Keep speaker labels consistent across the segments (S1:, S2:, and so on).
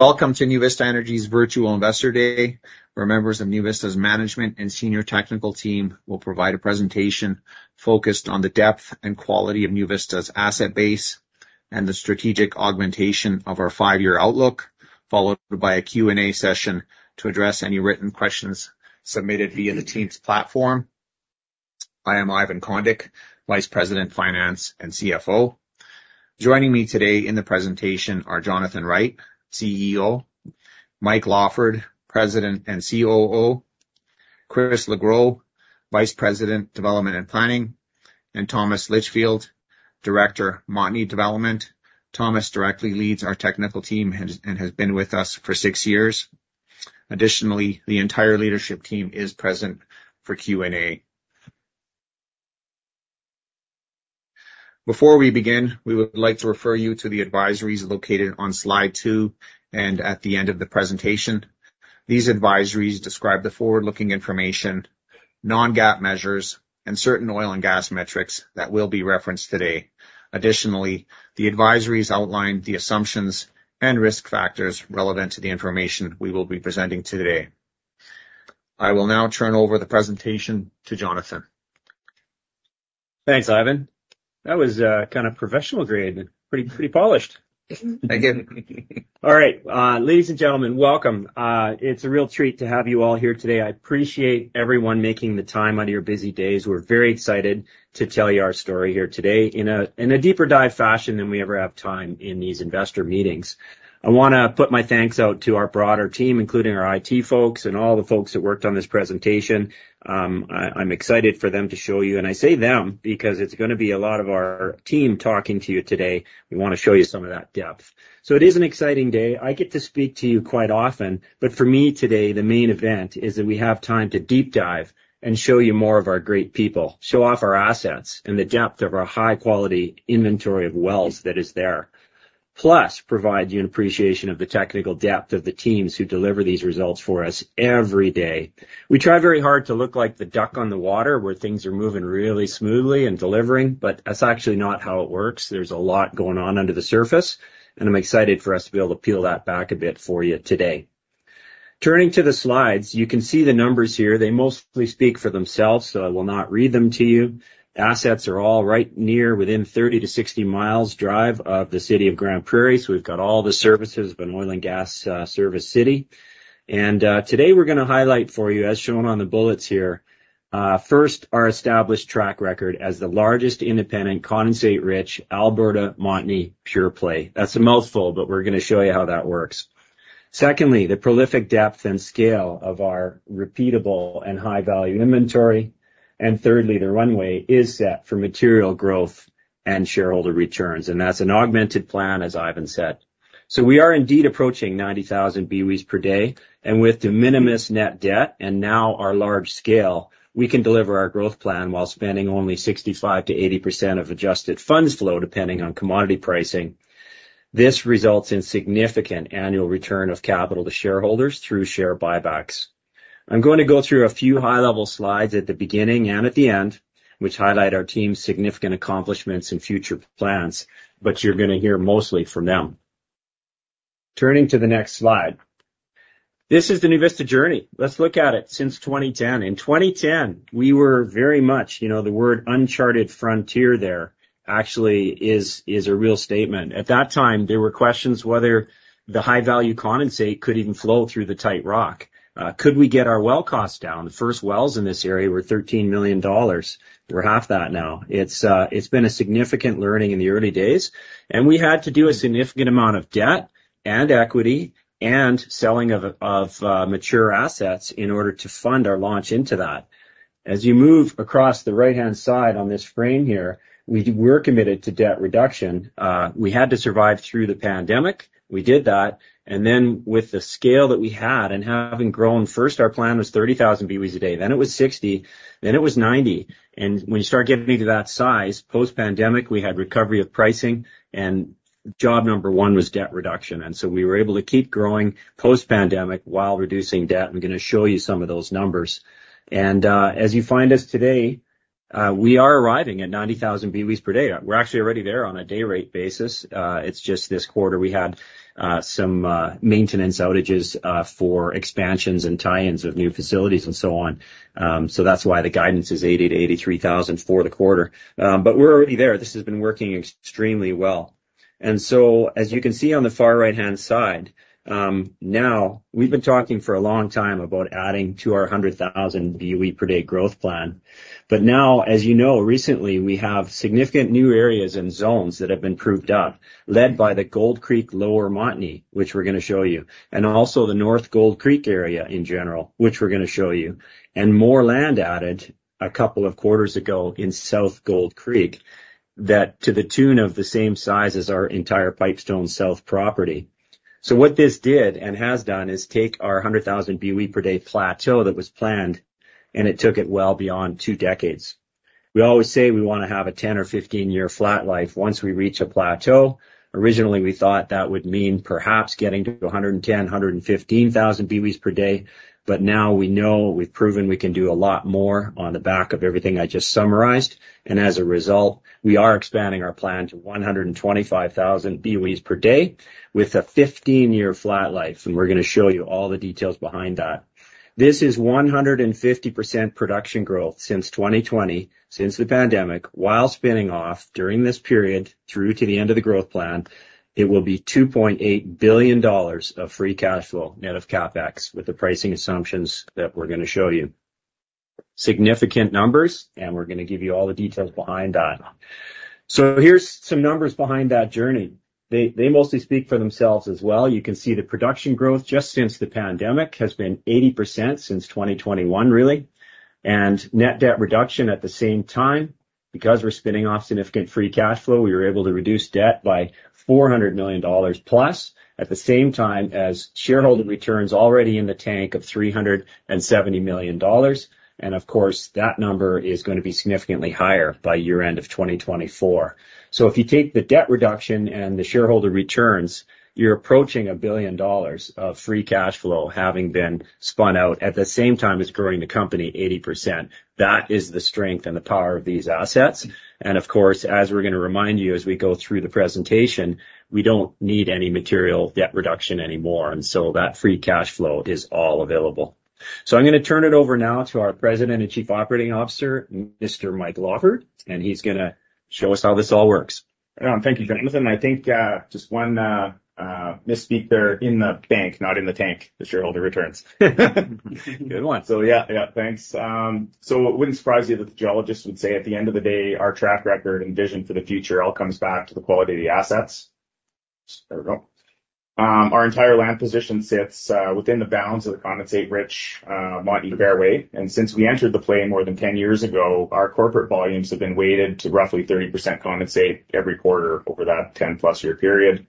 S1: Welcome to NuVista Energy's Virtual Investor Day. Our members of NuVista's management and senior technical team will provide a presentation focused on the depth and quality of NuVista's asset base and the strategic augmentation of our five-year outlook, followed by a Q&A session to address any written questions submitted via the team's platform. I am Ivan Condic, Vice President, Finance and CFO. Joining me today in the presentation are Jonathan Wright, CEO, Mike Lawford, President and Chris LeGrow, vice President, Development and Planning, and Thomas Litchfield, Director, Montney Development. Thomas directly leads our technical team and has been with us for six years. Additionally, the entire leadership team is present for Q&A. Before we begin, we would like to refer you to the advisories located on slide two and at the end of the presentation. These advisories describe the forward-looking information, non-GAAP measures, and certain oil and gas metrics that will be referenced today. Additionally, the advisories outline the assumptions and risk factors relevant to the information we will be presenting today. I will now turn over the presentation to Jonathan.
S2: Thanks, Ivan. That was kind of professional grade. Pretty polished.
S1: Thank you.
S2: All right. Ladies and gentlemen, welcome. It's a real treat to have you all here today. I appreciate everyone making the time out of your busy days. We're very excited to tell you our story here today in a deeper-dive fashion than we ever have time in these investor meetings. I want to put my thanks out to our broader team, including our IT folks and all the folks that worked on this presentation. I'm excited for them to show you. I say them because it's going to be a lot of our team talking to you today. We want to show you some of that depth. It is an exciting day. I get to speak to you quite often. But for me today, the main event is that we have time to deep dive and show you more of our great people, show off our assets, and the depth of our high-quality inventory of wells that is there, plus provide you an appreciation of the technical depth of the teams who deliver these results for us every day. We try very hard to look like the duck on the water where things are moving really smoothly and delivering, but that's actually not how it works. There's a lot going on under the surface. And I'm excited for us to be able to peel that back a bit for you today. Turning to the slides, you can see the numbers here. They mostly speak for themselves, so I will not read them to you. Assets are all right near within 30 to 60 miles' drive of the city of Grande Prairie. So we've got all the services of an oil and gas service city. And today we're going to highlight for you, as shown on the bullets here, first, our established track record as the largest independent condensate-rich Alberta Montney pure play. That's a mouthful, but we're going to show you how that works. Secondly, the prolific depth and scale of our repeatable and high-value inventory. And thirdly, the runway is set for material growth and shareholder returns. And that's an augmented plan, as Ivan said. So we are indeed approaching 90,000 BOEs per day. And with de minimis net debt and now our large scale, we can deliver our growth plan while spending only 65%-80% of adjusted funds flow, depending on commodity pricing. This results in significant annual return of capital to shareholders through share buybacks. I'm going to go through a few high-level slides at the beginning and at the end, which highlight our team's significant accomplishments and future plans, but you're going to hear mostly from them. Turning to the next slide. This is the NuVista journey. Let's look at it since 2010. In 2010, we were very much the word "uncharted frontier" there actually is a real statement. At that time, there were questions whether the high-value condensate could even flow through the tight rock. Could we get our well costs down? The first wells in this area were $13 million. We're half that now. It's been a significant learning in the early days. And we had to do a significant amount of debt and equity and selling of mature assets in order to fund our launch into that. As you move across the right-hand side on this frame here, we were committed to debt reduction. We had to survive through the pandemic. We did that. And then with the scale that we had and having grown, first, our plan was 30,000 BOEs a day. Then it was 60. Then it was 90. And when you start getting to that size, post-pandemic, we had recovery of pricing. And job number one was debt reduction. And so we were able to keep growing post-pandemic while reducing debt. I'm going to show you some of those numbers. And as you find us today, we are arriving at 90,000 BOEs per day. We're actually already there on a day-rate basis. It's just this quarter we had some maintenance outages for expansions and tie-ins of new facilities and so on. So that's why the guidance is 80,000-83,000 for the quarter. But we're already there. This has been working extremely well. And so as you can see on the far right-hand side, now we've been talking for a long time about adding to our 100,000 BOE per day growth plan. But now, as you know, recently, we have significant new areas and zones that have been proved up, led by the Gold Creek Lower Montney, which we're going to show you, and also the North Gold Creek area in general, which we're going to show you, and more land added a couple of quarters ago in South Gold Creek to the tune of the same size as our entire Pipestone South property. So what this did and has done is take our 100,000 BOE per day plateau that was planned, and it took it well beyond two decades. We always say we want to have a 10- or 15-year flat life. Once we reach a plateau, originally, we thought that would mean perhaps getting to 110,000-115,000 BOEs per day. But now we know we've proven we can do a lot more on the back of everything I just summarized. As a result, we are expanding our plan to 125,000 BOEs per day with a 15-year flat life. We're going to show you all the details behind that. This is 150% production growth since 2020, since the pandemic, while spinning off during this period through to the end of the growth plan. It will be $2.8 billion of free cash flow net of CapEx with the pricing assumptions that we're going to show you. Significant numbers, we're going to give you all the details behind that. Here's some numbers behind that journey. They mostly speak for themselves as well. You can see the production growth just since the pandemic has been 80% since 2021, really. And net debt reduction at the same time, because we're spinning off significant free cash flow, we were able to reduce debt by 400 million dollars plus at the same time as shareholder returns already in the tank of 370 million dollars. And of course, that number is going to be significantly higher by year-end of 2024. So if you take the debt reduction and the shareholder returns, you're approaching 1 billion dollars of free cash flow having been spun out at the same time as growing the company 80%. That is the strength and the power of these assets. And of course, as we're going to remind you as we go through the presentation, we don't need any material debt reduction anymore. And so that free cash flow is all available. So I'm going to turn it over now to our President and Chief Operating Officer, Mr. Mike Lawford, and he's going to show us how this all works.
S3: Thank you, Jonathan. I think just one misspeak there in the bank, not in the tank, the shareholder returns.
S2: Good one.
S3: So yeah, yeah, thanks. So it wouldn't surprise you that the geologist would say at the end of the day, our track record and vision for the future all comes back to the quality of the assets. There we go. Our entire land position sits within the bounds of the condensate-rich Montney Fairway. And since we entered the play more than 10 years ago, our corporate volumes have been weighted to roughly 30% condensate every quarter over that 10-plus-year period.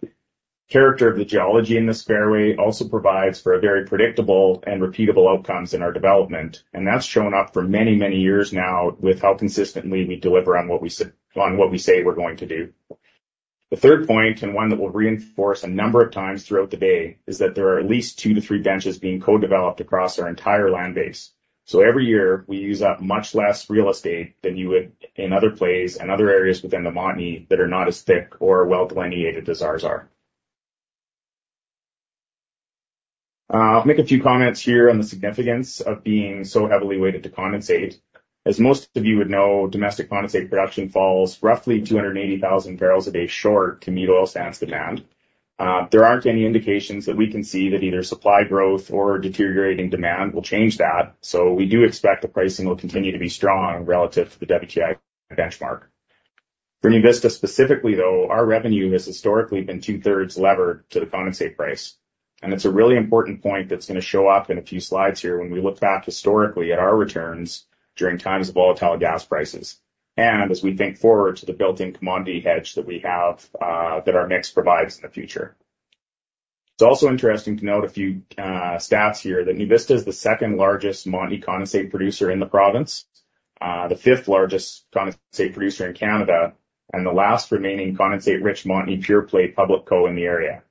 S3: Character of the geology in this fairway also provides for very predictable and repeatable outcomes in our development. And that's shown up for many, many years now with how consistently we deliver on what we say we're going to do. The third point, and one that will reinforce a number of times throughout the day, is that there are at least two to three benches being co-developed across our entire land base. So every year, we use up much less real estate than you would in other plays and other areas within the Montney that are not as thick or well-delineated as ours are. I'll make a few comments here on the significance of being so heavily weighted to condensate. As most of you would know, domestic condensate production falls roughly 280,000 barrels/day short to meet oil sands demand. There aren't any indications that we can see that either supply growth or deteriorating demand will change that. So we do expect the pricing will continue to be strong relative to the WTI benchmark. For NuVista specifically, though, our revenue has historically been two-thirds levered to the condensate price. It's a really important point that's going to show up in a few slides here when we look back historically at our returns during times of volatile gas prices. As we think forward to the built-in commodity hedge that we have that our mix provides in the future. It's also interesting to note a few stats here that NuVista is the second largest Montney condensate producer in the province, the fifth largest condensate producer in Canada, and the last remaining condensate-rich Montney pure play public co in the area.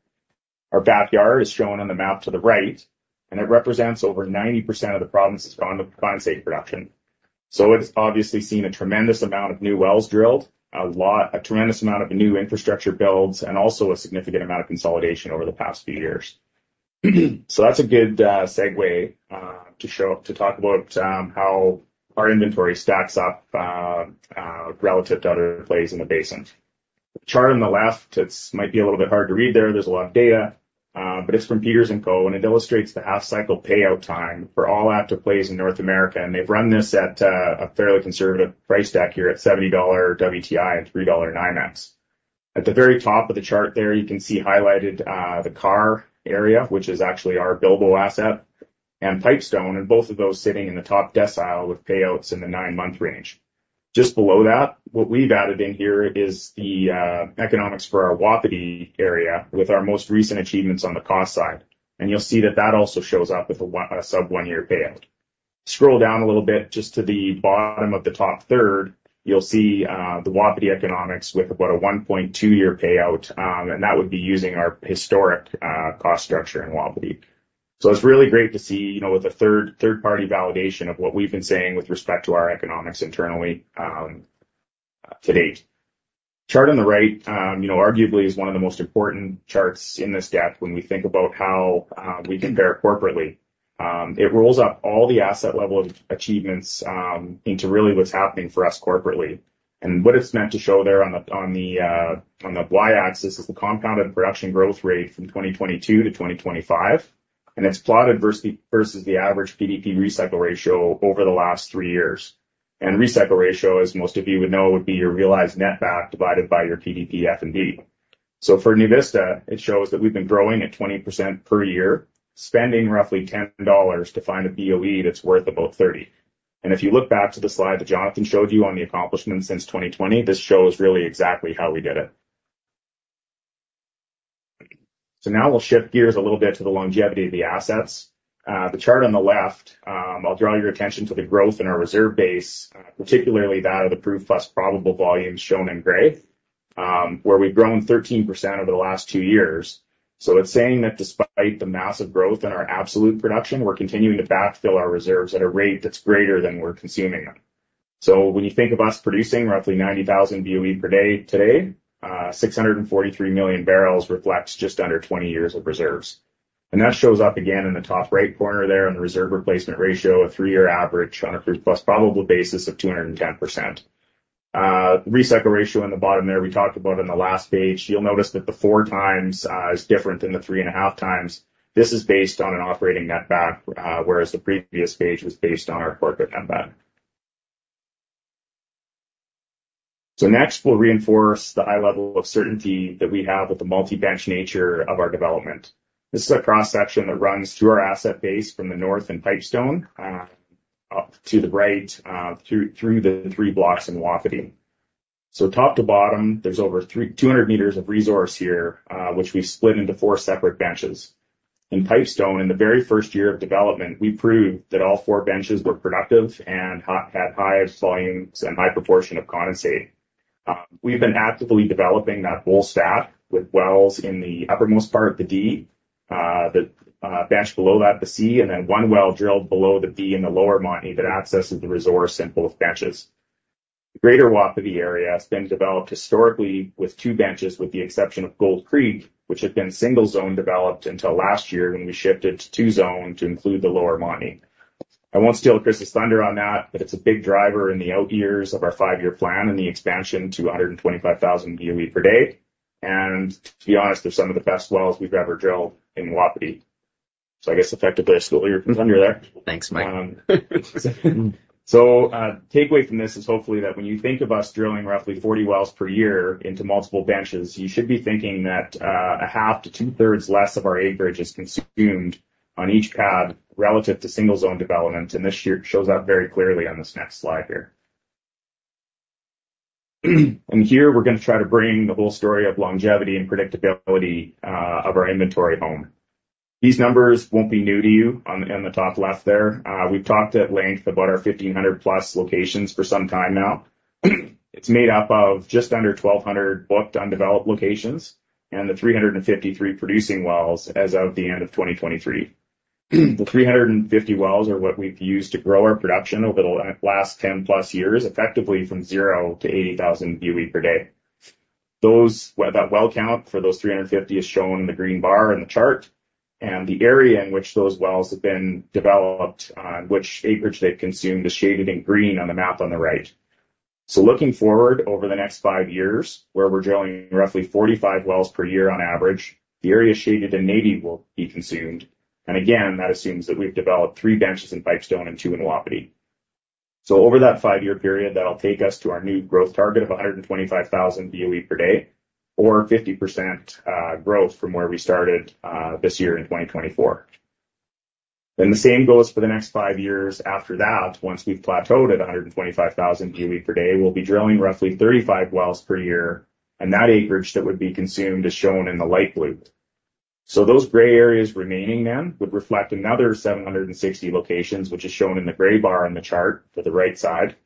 S3: Our backyard is shown on the map to the right, and it represents over 90% of the province's condensate production. It's obviously seen a tremendous amount of new wells drilled, a tremendous amount of new infrastructure builds, and also a significant amount of consolidation over the past few years. That's a good segue to talk about how our inventory stacks up relative to other plays in the basin. The chart on the left, it might be a little bit hard to read there. There's a lot of data, but it's from Peters & Co. It illustrates the half-cycle payout time for all active plays in North America. They've run this at a fairly conservative price stack here at $70 WTI and $3.90. At the very top of the chart there, you can see highlighted the Karr area, which is actually our Bilbo asset, and Pipestone, and both of those sitting in the top decile with payouts in the 9-month range. Just below that, what we've added in here is the economics for our Wapiti area with our most recent achievements on the cost side. You'll see that that also shows up with a sub-1-year payout. Scroll down a little bit just to the bottom of the top third, you'll see the Wapiti economics with about a 1.2-year payout. That would be using our historic cost structure in Wapiti. So it's really great to see with a third-party validation of what we've been saying with respect to our economics internally to date. The chart on the right, arguably, is one of the most important charts in this deck when we think about how we compare corporately. It rolls up all the asset-level achievements into really what's happening for us corporately. What it's meant to show there on the Y-axis is the compounded production growth rate from 2022 to 2025. It's plotted versus the average PDP recycle ratio over the last three years. Recycle ratio, as most of you would know, would be your realized netback divided by your PDP F&D. So for NuVista, it shows that we've been growing at 20% per year, spending roughly $10 to find a BOE that's worth about 30. And if you look back to the slide that Jonathan showed you on the accomplishments since 2020, this shows really exactly how we did it. So now we'll shift gears a little bit to the longevity of the assets. The chart on the left, I'll draw your attention to the growth in our reserve base, particularly that of the proved plus probable volumes shown in gray, where we've grown 13% over the last two years. So it's saying that despite the massive growth in our absolute production, we're continuing to backfill our reserves at a rate that's greater than we're consuming them. So when you think of us producing roughly 90,000 BOE per day today, 643 million barrels reflects just under 20 years of reserves. That shows up again in the top right corner there in the reserve replacement ratio, a three-year average on a proved plus probable basis of 210%. The recycle ratio on the bottom there, we talked about in the last page, you'll notice that the 4x is different than the 3.5x. This is based on an operating netback, whereas the previous page was based on our corporate netback. Next, we'll reinforce the high level of certainty that we have with the multi-bench nature of our development. This is a cross-section that runs through our asset base from the north in Pipestone up to the right through the three blocks in Wapiti. Top to bottom, there's over 200 meters of resource here, which we've split into four separate benches. In Pipestone, in the very first year of development, we proved that all four benches were productive and had highest volumes and high proportion of condensate. We've been actively developing that whole stack with wells in the uppermost part, the D, the bench below that, the C, and then one well drilled below the B in the Lower Montney that accesses the resource in both benches. The greater Wapiti area has been developed historically with two benches, with the exception of Gold Creek, which had been single-zone developed until last year when we shifted to two-zone to include the Lower Montney. I won't steal Chris's thunder on that, but it's a big driver in the out years of our five-year plan and the expansion to 125,000 BOE per day. And to be honest, they're some of the best wells we've ever drilled in Wapiti. I guess effectively I stole your thunder there.
S2: Thanks, Mike.
S3: So the takeaway from this is hopefully that when you think of us drilling roughly 40 wells per year into multiple benches, you should be thinking that a half to two-thirds less of our acreage is consumed on each pad relative to single-zone development. This shows up very clearly on this next slide here. Here, we're going to try to bring the whole story of longevity and predictability of our inventory home. These numbers won't be new to you in the top left there. We've talked at length about our 1,500+ locations for some time now. It's made up of just under 1,200 booked undeveloped locations and the 353 producing wells as of the end of 2023. The 350 wells are what we've used to grow our production over the last 10+ years, effectively from 0 to 80,000 BOE per day. That well count for those 350 is shown in the green bar in the chart. The area in which those wells have been developed, which acreage they've consumed, is shaded in green on the map on the right. Looking forward over the next 5 years, where we're drilling roughly 45 wells per year on average, the area shaded in navy will be consumed. Again, that assumes that we've developed 3 benches in Pipestone and 2 in Wapiti. Over that 5-year period, that'll take us to our new growth target of 125,000 BOE per day, or 50% growth from where we started this year in 2024. The same goes for the next 5 years after that. Once we've plateaued at 125,000 BOE per day, we'll be drilling roughly 35 wells per year. That acreage that would be consumed is shown in the light blue.
S4: Those gray areas remaining then would reflect another 760 locations, which is shown in the gray bar on the chart to the right side.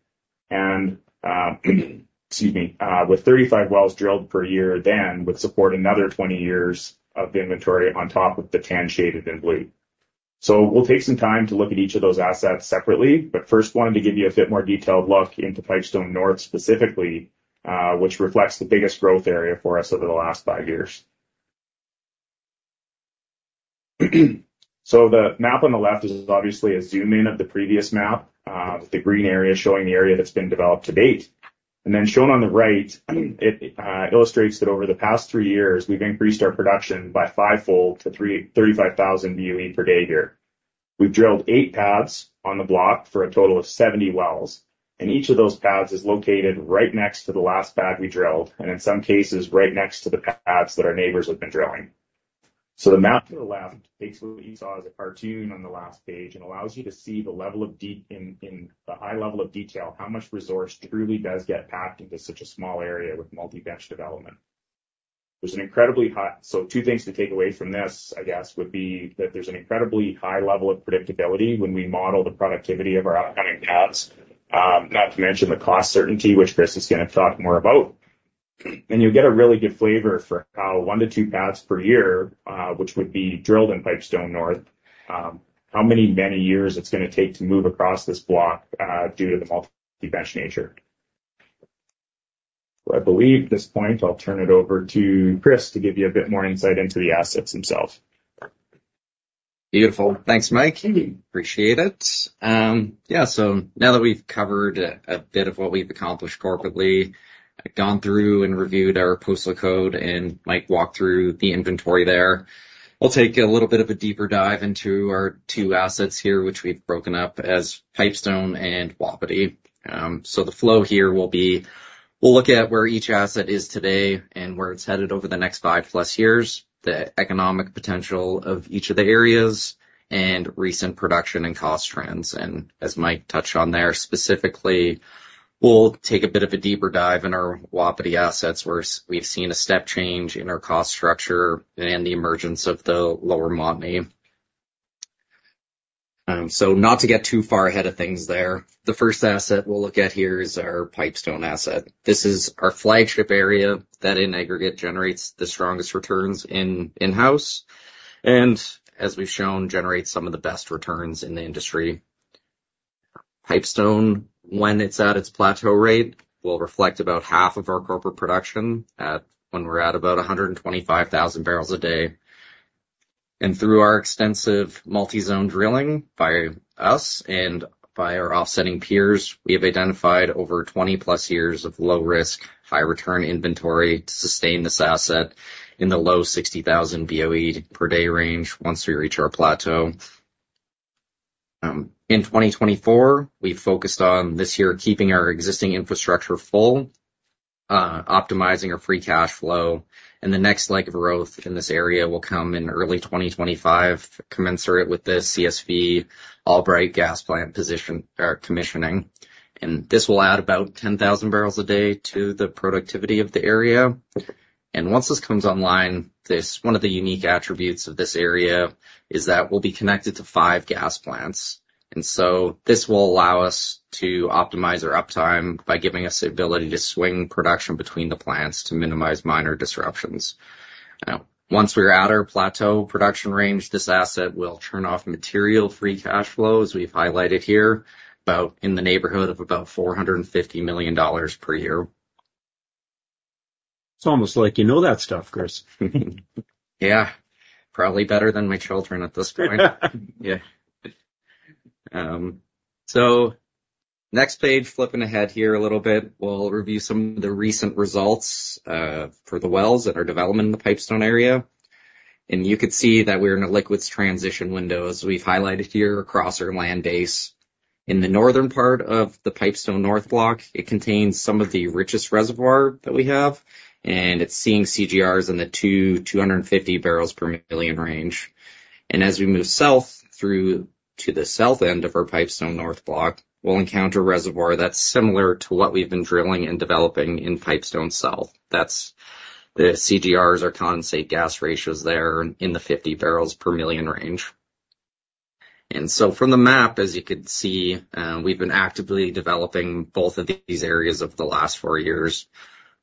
S4: Excuse me, with 35 wells drilled per year then, would support another 20 years of inventory on top of the tan shaded in blue. We'll take some time to look at each of those assets separately, but first wanted to give you a bit more detailed look into Pipestone North specifically, which reflects the biggest growth area for us over the last five years. The map on the left is obviously a zoom-in of the previous map, with the green area showing the area that's been developed to date. Then shown on the right, it illustrates that over the past three years, we've increased our production by fivefold to 35,000 BOE per day here. We've drilled 8 pads on the block for a total of 70 wells. Each of those pads is located right next to the last pad we drilled, and in some cases, right next to the pads that our neighbors have been drilling. The map to the left takes what you saw as a cartoon on the last page and allows you to see the level of detail in the high level of detail, how much resource truly does get packed into such a small area with multi-bench development. There's an incredibly high, so two things to take away from this, I guess, would be that there's an incredibly high level of predictability when we model the productivity of our upcoming pads, not to mention the cost certainty, which Chris is going to talk more about. You'll get a really good flavor for how 1-2 pads per year, which would be drilled in Pipestone North, how many, many years it's going to take to move across this block due to the multi-bench nature. I believe at this point, I'll turn it over to Chris to give you a bit more insight into the assets themselves.
S5: Beautiful. Thanks, Mike. Appreciate it. Yeah, so now that we've covered a bit of what we've accomplished corporately, I've gone through and reviewed our portfolio and Mike walked through the inventory there. We'll take a little bit of a deeper dive into our two assets here, which we've broken up as Pipestone and Wapiti. So the flow here will be we'll look at where each asset is today and where it's headed over the next 5+ years, the economic potential of each of the areas, and recent production and cost trends. And as Mike touched on there specifically, we'll take a bit of a deeper dive in our Wapiti assets where we've seen a step change in our cost structure and the emergence of the Lower Montney. So not to get too far ahead of things there, the first asset we'll look at here is our Pipestone asset. This is our flagship area that in aggregate generates the strongest returns in-house and, as we've shown, generates some of the best returns in the industry. Pipestone, when it's at its plateau rate, will reflect about half of our corporate production when we're at about 125,000 barrels a day. And through our extensive multi-zone drilling by us and by our offsetting peers, we have identified over 20+ years of low-risk, high-return inventory to sustain this asset in the low 60,000 BOE per day range once we reach our plateau. In 2024, we focused on this year keeping our existing infrastructure full, optimizing our free cash flow. And the next leg of growth in this area will come in early 2025, commensurate with the CSV Albright gas plant commissioning. And this will add about 10,000 barrels a day to the productivity of the area. Once this comes online, one of the unique attributes of this area is that we'll be connected to 5 gas plants. So this will allow us to optimize our uptime by giving us the ability to swing production between the plants to minimize minor disruptions. Now, once we're at our plateau production range, this asset will turn off material free cash flow, as we've highlighted here, in the neighborhood of about 450 million dollars per year.
S3: It's almost like you know that stuff, Chris.
S5: Yeah. Probably better than my children at this point. Yeah. So next page, flipping ahead here a little bit, we'll review some of the recent results for the wells and our development in the Pipestone area. You could see that we're in a liquids transition window, as we've highlighted here, across our land base. In the northern part of the Pipestone North block, it contains some of the richest reservoir that we have, and it's seeing CGRs in the 250 barrels per million range. As we move south through to the south end of our Pipestone North block, we'll encounter a reservoir that's similar to what we've been drilling and developing in Pipestone South. That's the CGRs, our condensate gas ratios there in the 50 barrels per million range. So from the map, as you could see, we've been actively developing both of these areas over the last 4 years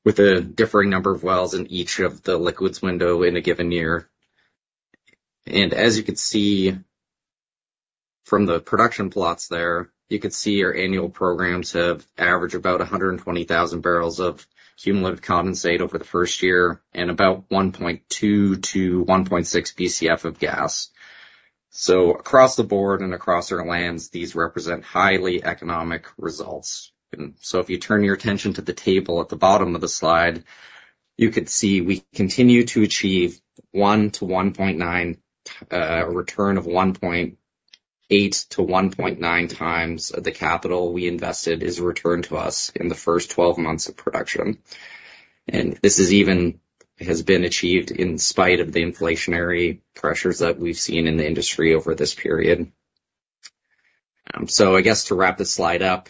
S5: with a differing number of wells in each of the liquids window in a given year. And as you could see from the production plots there, you could see our annual programs have averaged about 120,000 barrels of cumulative condensate over the first year and about 1.2-1.6 Bcf of gas. So across the board and across our lands, these represent highly economic results. And so if you turn your attention to the table at the bottom of the slide, you could see we continue to achieve 1 to 1.9, a return of 1.8-1.9 times the capital we invested is returned to us in the first 12 months of production. This even has been achieved in spite of the inflationary pressures that we've seen in the industry over this period. I guess to wrap this slide up,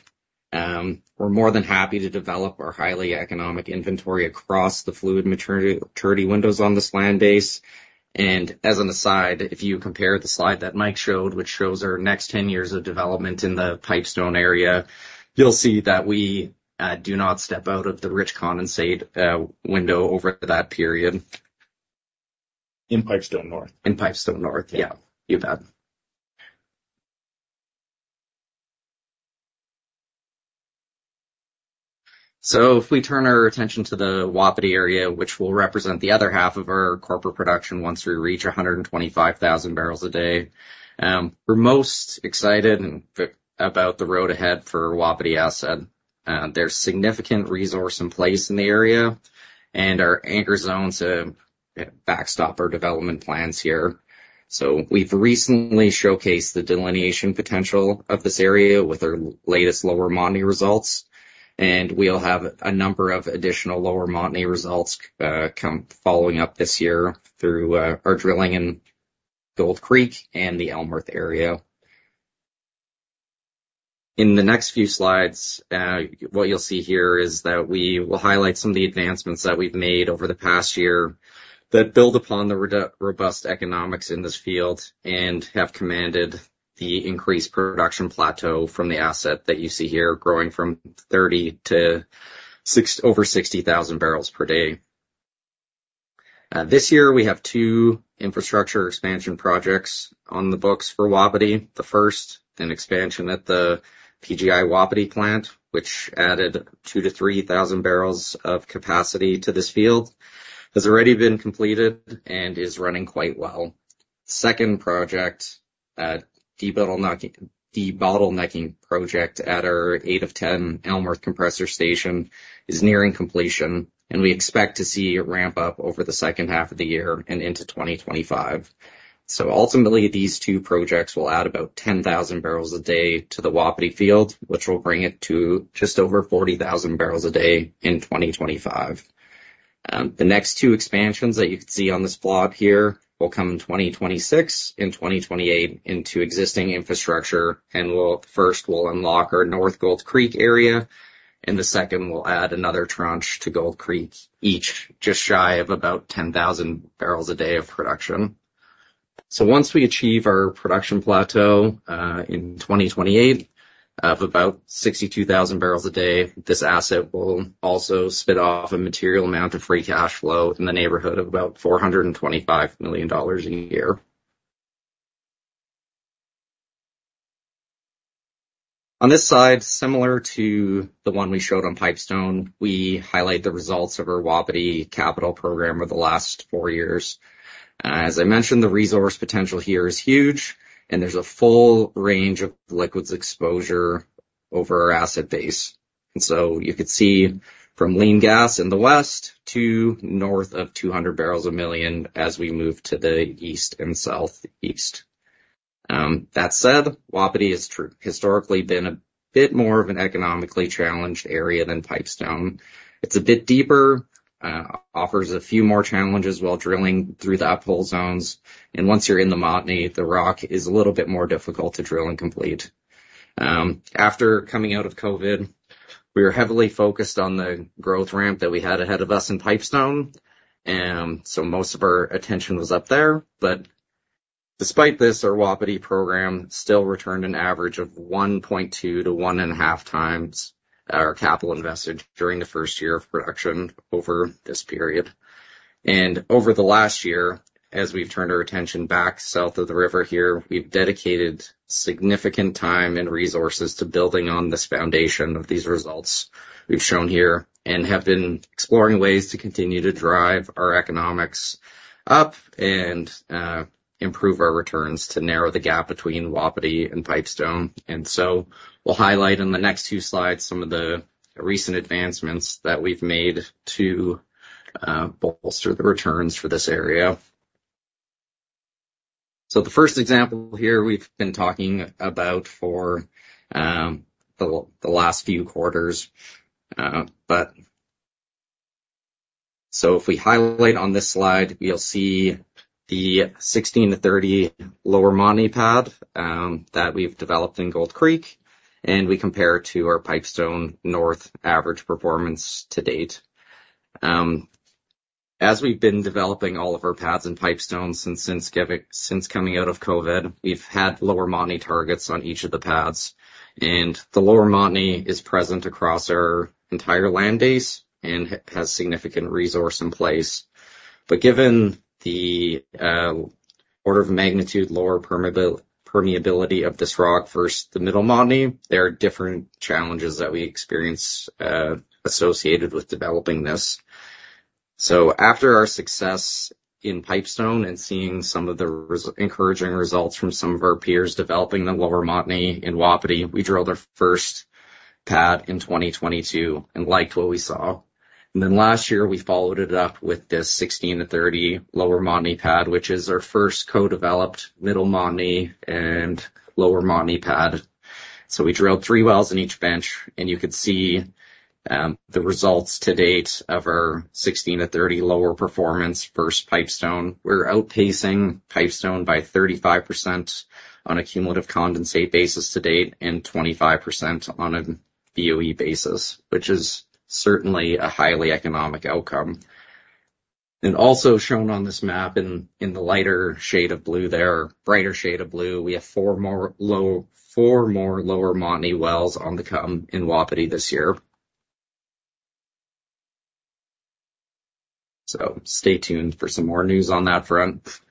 S5: we're more than happy to develop our highly economic inventory across the fluid maturity windows on this land base. As an aside, if you compare the slide that Mike showed, which shows our next 10 years of development in the Pipestone area, you'll see that we do not step out of the rich condensate window over that period.
S3: In Pipestone North.
S5: In Pipestone North, yeah. You bet. So if we turn our attention to the Wapiti area, which will represent the other half of our corporate production once we reach 125,000 barrels a day, we're most excited about the road ahead for Wapiti asset. There's significant resource in place in the area, and our anchor zones backstop our development plans here. So we've recently showcased the delineation potential of this area with our latest Lower Montney results. And we'll have a number of additional Lower Montney results come following up this year through our drilling in Gold Creek and the Elmworth area. In the next few slides, what you'll see here is that we will highlight some of the advancements that we've made over the past year that build upon the robust economics in this field and have commanded the increased production plateau from the asset that you see here growing from 30 to over 60,000 barrels per day. This year, we have two infrastructure expansion projects on the books for Wapiti. The first, an expansion at the PGI Wapiti plant, which added 2,000-3,000 barrels of capacity to this field, has already been completed and is running quite well. The second project, a debottlenecking project at our 8-10 Elmworth Compressor Station, is nearing completion, and we expect to see it ramp up over the second half of the year and into 2025. So ultimately, these two projects will add about 10,000 barrels a day to the Wapiti field, which will bring it to just over 40,000 barrels a day in 2025. The next two expansions that you can see on this plot here will come in 2026 and 2028 into existing infrastructure. And first, we'll unlock our North Gold Creek area, and the second will add another tranche to Gold Creek, each just shy of about 10,000 barrels a day of production. So once we achieve our production plateau in 2028 of about 62,000 barrels a day, this asset will also spin off a material amount of free cash flow in the neighborhood of about $425 million a year. On this side, similar to the one we showed on Pipestone, we highlight the results of our Wapiti capital program over the last four years. As I mentioned, the resource potential here is huge, and there's a full range of liquids exposure over our asset base. So you could see from lean gas in the west to north of 200 barrels per million as we move to the east and southeast. That said, Wapiti has historically been a bit more of an economically challenged area than Pipestone. It's a bit deeper, offers a few more challenges while drilling through the uphole zones. And once you're in the Montney, the rock is a little bit more difficult to drill and complete. After coming out of COVID, we were heavily focused on the growth ramp that we had ahead of us in Pipestone. So most of our attention was up there. But despite this, our Wapiti program still returned an average of 1.2-1.5 times our capital invested during the first year of production over this period. Over the last year, as we've turned our attention back south of the river here, we've dedicated significant time and resources to building on this foundation of these results we've shown here and have been exploring ways to continue to drive our economics up and improve our returns to narrow the gap between Wapiti and Pipestone. So we'll highlight in the next few slides some of the recent advancements that we've made to bolster the returns for this area. So the first example here we've been talking about for the last few quarters. So if we highlight on this slide, you'll see the 16-30 Lower Montney pad that we've developed in Gold Creek, and we compare it to our Pipestone North average performance to date. As we've been developing all of our pads in Pipestone since coming out of COVID, we've had Lower Montney targets on each of the pads. And the Lower Montney is present across our entire land base and has significant resource in place. But given the order of magnitude lower permeability of this rock versus the Middle Montney, there are different challenges that we experience associated with developing this. So after our success in Pipestone and seeing some of the encouraging results from some of our peers developing the Lower Montney in Wapiti, we drilled our first pad in 2022 and liked what we saw. And then last year, we followed it up with this 16-30 Lower Montney pad, which is our first co-developed Middle Montney and Lower Montney pad. So we drilled 3 wells in each bench, and you could see the results to date of our 16-30 Lower performance versus Pipestone. We're outpacing Pipestone by 35% on a cumulative condensate basis to date and 25% on a BOE basis, which is certainly a highly economic outcome. And also shown on this map in the lighter shade of blue there, brighter shade of blue, we have 4 more Lower Montney wells on the come in Wapiti this year. So stay tuned for some more news on that front.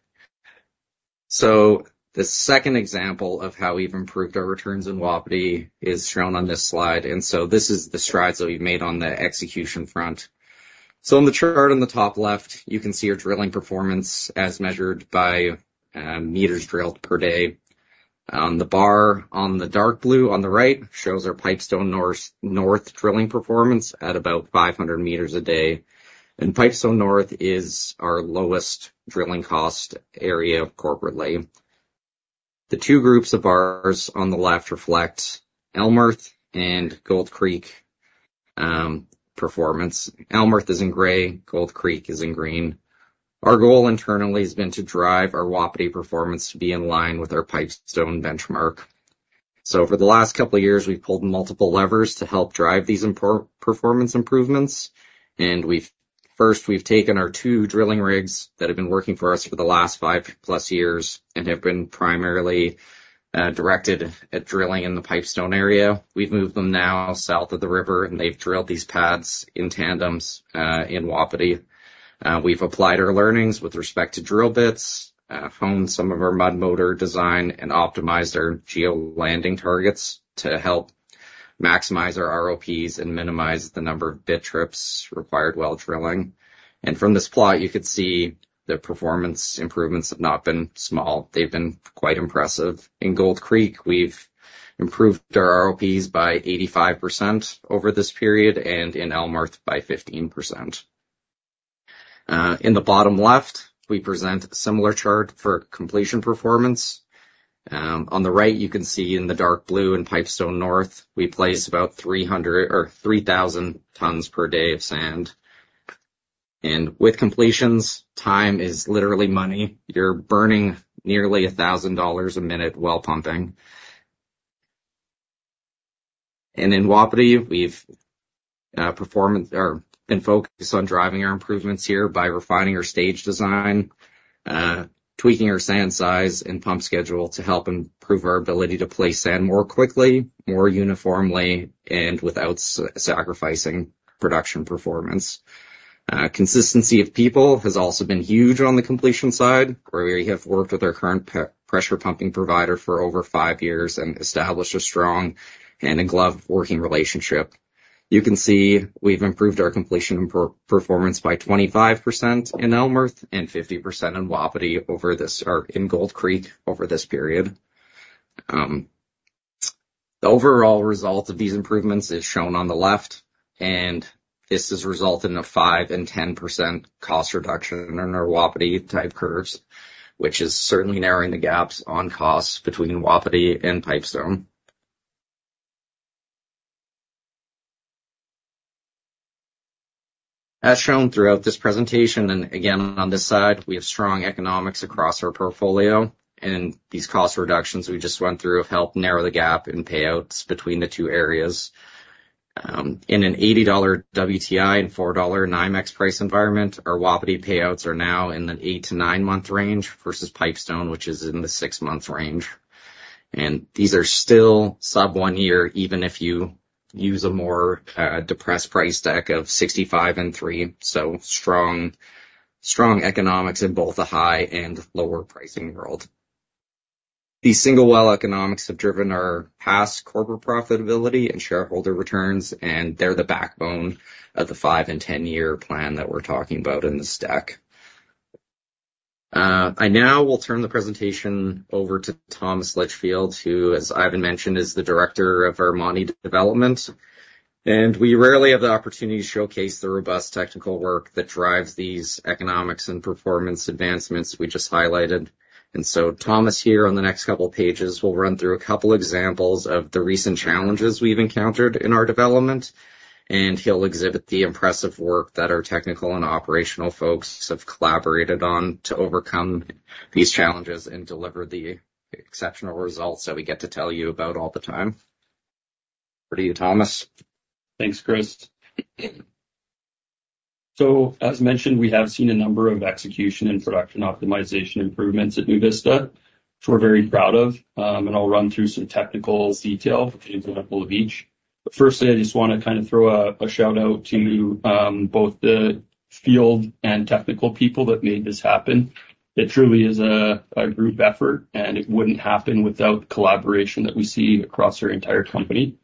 S5: So the second example of how we've improved our returns in Wapiti is shown on this slide. And so this is the strides that we've made on the execution front. On the chart on the top left, you can see our drilling performance as measured by meters drilled per day. The bar on the dark blue on the right shows our Pipestone North drilling performance at about 500 meters a day. Pipestone North is our lowest drilling cost area corporately. The two groups of bars on the left reflect Elmworth and Gold Creek performance. Elmworth is in gray. Gold Creek is in green. Our goal internally has been to drive our Wapiti performance to be in line with our Pipestone benchmark. For the last couple of years, we've pulled multiple levers to help drive these performance improvements. First, we've taken our two drilling rigs that have been working for us for the last 5+ years and have been primarily directed at drilling in the Pipestone area. We've moved them now south of the river, and they've drilled these pads in tandems in Wapiti. We've applied our learnings with respect to drill bits, honed some of our mud motor design, and optimized our geo-landing targets to help maximize our ROPs and minimize the number of bit trips required while drilling. From this plot, you could see the performance improvements have not been small. They've been quite impressive. In Gold Creek, we've improved our ROPs by 85% over this period and in Elmworth by 15%. In the bottom left, we present a similar chart for completion performance. On the right, you can see in the dark blue in Pipestone North, we placed about 3,000 tons per day of sand. With completions, time is literally money. You're burning nearly $1,000 a minute while pumping. In Wapiti, we've been focused on driving our improvements here by refining our stage design, tweaking our sand size, and pump schedule to help improve our ability to place sand more quickly, more uniformly, and without sacrificing production performance. Consistency of people has also been huge on the completion side, where we have worked with our current pressure pumping provider for over five years and established a strong hand-in-glove working relationship. You can see we've improved our completion performance by 25% in Elmworth and 50% in Wapiti in Gold Creek over this period. The overall result of these improvements is shown on the left, and this has resulted in a 5%-10% cost reduction in our Wapiti-type curves, which is certainly narrowing the gaps on costs between Wapiti and Pipestone. As shown throughout this presentation, and again on this side, we have strong economics across our portfolio. These cost reductions we just went through have helped narrow the gap in payouts between the two areas. In an $80 WTI and $4 NYMEX price environment, our Wapiti payouts are now in the 8- to 9-month range versus Pipestone, which is in the 6-month range. These are still sub-one year, even if you use a more depressed price stack of $65 and $3. Strong economics in both the high and lower pricing world. These single well economics have driven our past corporate profitability and shareholder returns, and they're the backbone of the 5- and 10-year plan that we're talking about in this deck. I now will turn the presentation over to Thomas Litchfield, who, as I've mentioned, is the director of our Montney development. We rarely have the opportunity to showcase the robust technical work that drives these economics and performance advancements we just highlighted. And so Thomas here on the next couple of pages will run through a couple of examples of the recent challenges we've encountered in our development. He'll exhibit the impressive work that our technical and operational folks have collaborated on to overcome these challenges and deliver the exceptional results that we get to tell you about all the time. Over to you, Thomas.
S4: Thanks, Chris. So as mentioned, we have seen a number of execution and production optimization improvements at NuVista, which we're very proud of. And I'll run through some technical detail for the example of each. But firstly, I just want to kind of throw a shout-out to both the field and technical people that made this happen. It truly is a group effort, and it wouldn't happen without the collaboration that we see across our entire company.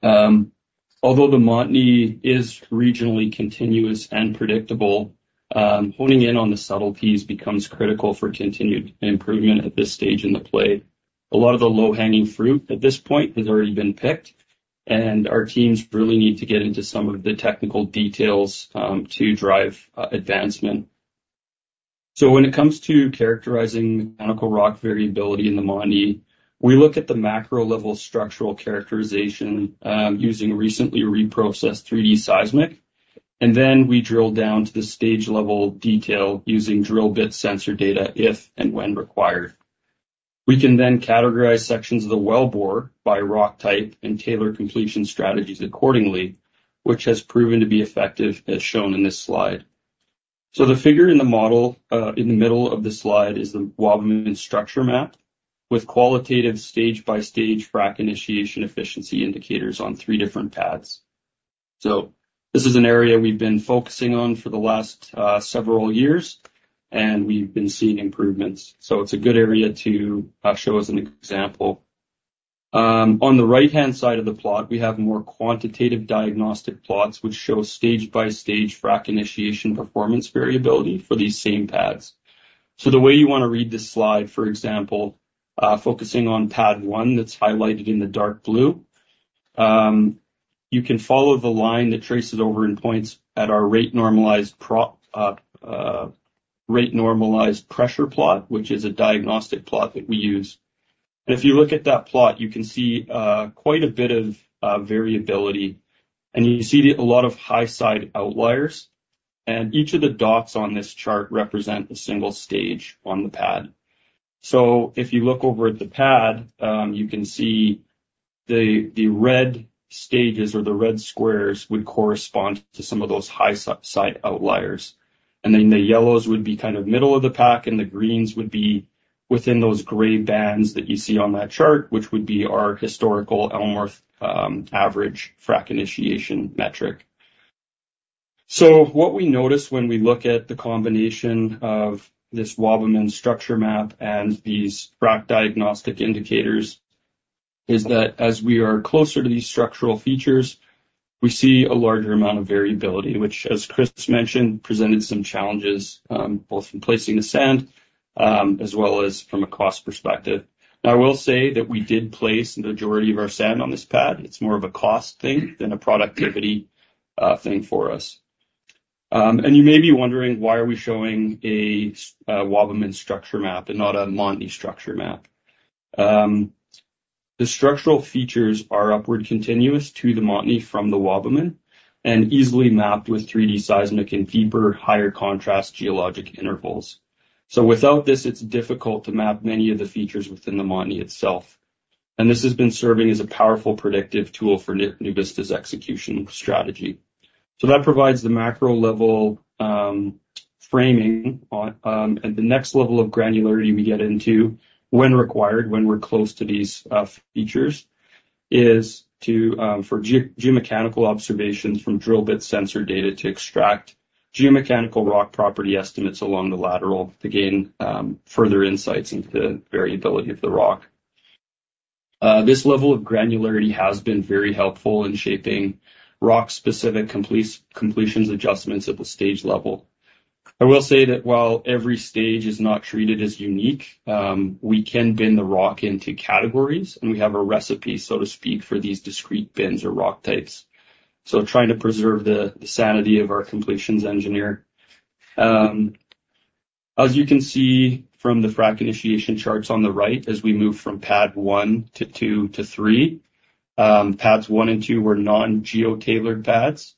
S4: Although the Montney is regionally continuous and predictable, honing in on the subtleties becomes critical for continued improvement at this stage in the play. A lot of the low-hanging fruit at this point has already been picked, and our teams really need to get into some of the technical details to drive advancement. So when it comes to characterizing mechanical rock variability in the Montney, we look at the macro-level structural characterization using recently reprocessed 3D seismic. And then we drill down to the stage-level detail using drill bit sensor data if and when required. We can then categorize sections of the well bore by rock type and tailor completion strategies accordingly, which has proven to be effective, as shown in this slide. So the figure in the model in the middle of the slide is the Wapiti structure map with qualitative stage-by-stage frac initiation efficiency indicators on three different pads. So this is an area we've been focusing on for the last several years, and we've been seeing improvements. So it's a good area to show as an example. On the right-hand side of the plot, we have more quantitative diagnostic plots, which show stage-by-stage frac initiation performance variability for these same pads. The way you want to read this slide, for example, focusing on pad one that's highlighted in the dark blue, you can follow the line that traces over in points at our rate-normalized pressure plot, which is a diagnostic plot that we use. If you look at that plot, you can see quite a bit of variability. You see a lot of high-side outliers. Each of the dots on this chart represent a single stage on the pad. If you look over at the pad, you can see the red stages or the red squares would correspond to some of those high-side outliers. And then the yellows would be kind of middle of the pack, and the greens would be within those gray bands that you see on that chart, which would be our historical Elmworth average frac initiation metric. So what we notice when we look at the combination of this Wabamun structure map and these frac diagnostic indicators is that as we are closer to these structural features, we see a larger amount of variability, which, as Chris mentioned, presented some challenges both from placing the sand as well as from a cost perspective. Now, I will say that we did place the majority of our sand on this pad. It's more of a cost thing than a productivity thing for us. And you may be wondering, why are we showing a Wabamun structure map and not a Montney structure map? The structural features are upward continuous to the Montney from the Wabamun and easily mapped with 3D seismic and deeper, higher contrast geologic intervals. Without this, it's difficult to map many of the features within the Montney itself. This has been serving as a powerful predictive tool for NuVista's execution strategy. That provides the macro-level framing. The next level of granularity we get into, when required, when we're close to these features, is for geomechanical observations from drill bit sensor data to extract geomechanical rock property estimates along the lateral to gain further insights into the variability of the rock. This level of granularity has been very helpful in shaping rock-specific completions adjustments at the stage level. I will say that while every stage is not treated as unique, we can bin the rock into categories, and we have a recipe, so to speak, for these discrete bins or rock types. So trying to preserve the sanity of our completions engineer. As you can see from the frac initiation charts on the right, as we move from pad 1 to 2 to 3, pads 1 and 2 were non-geo-tailored pads.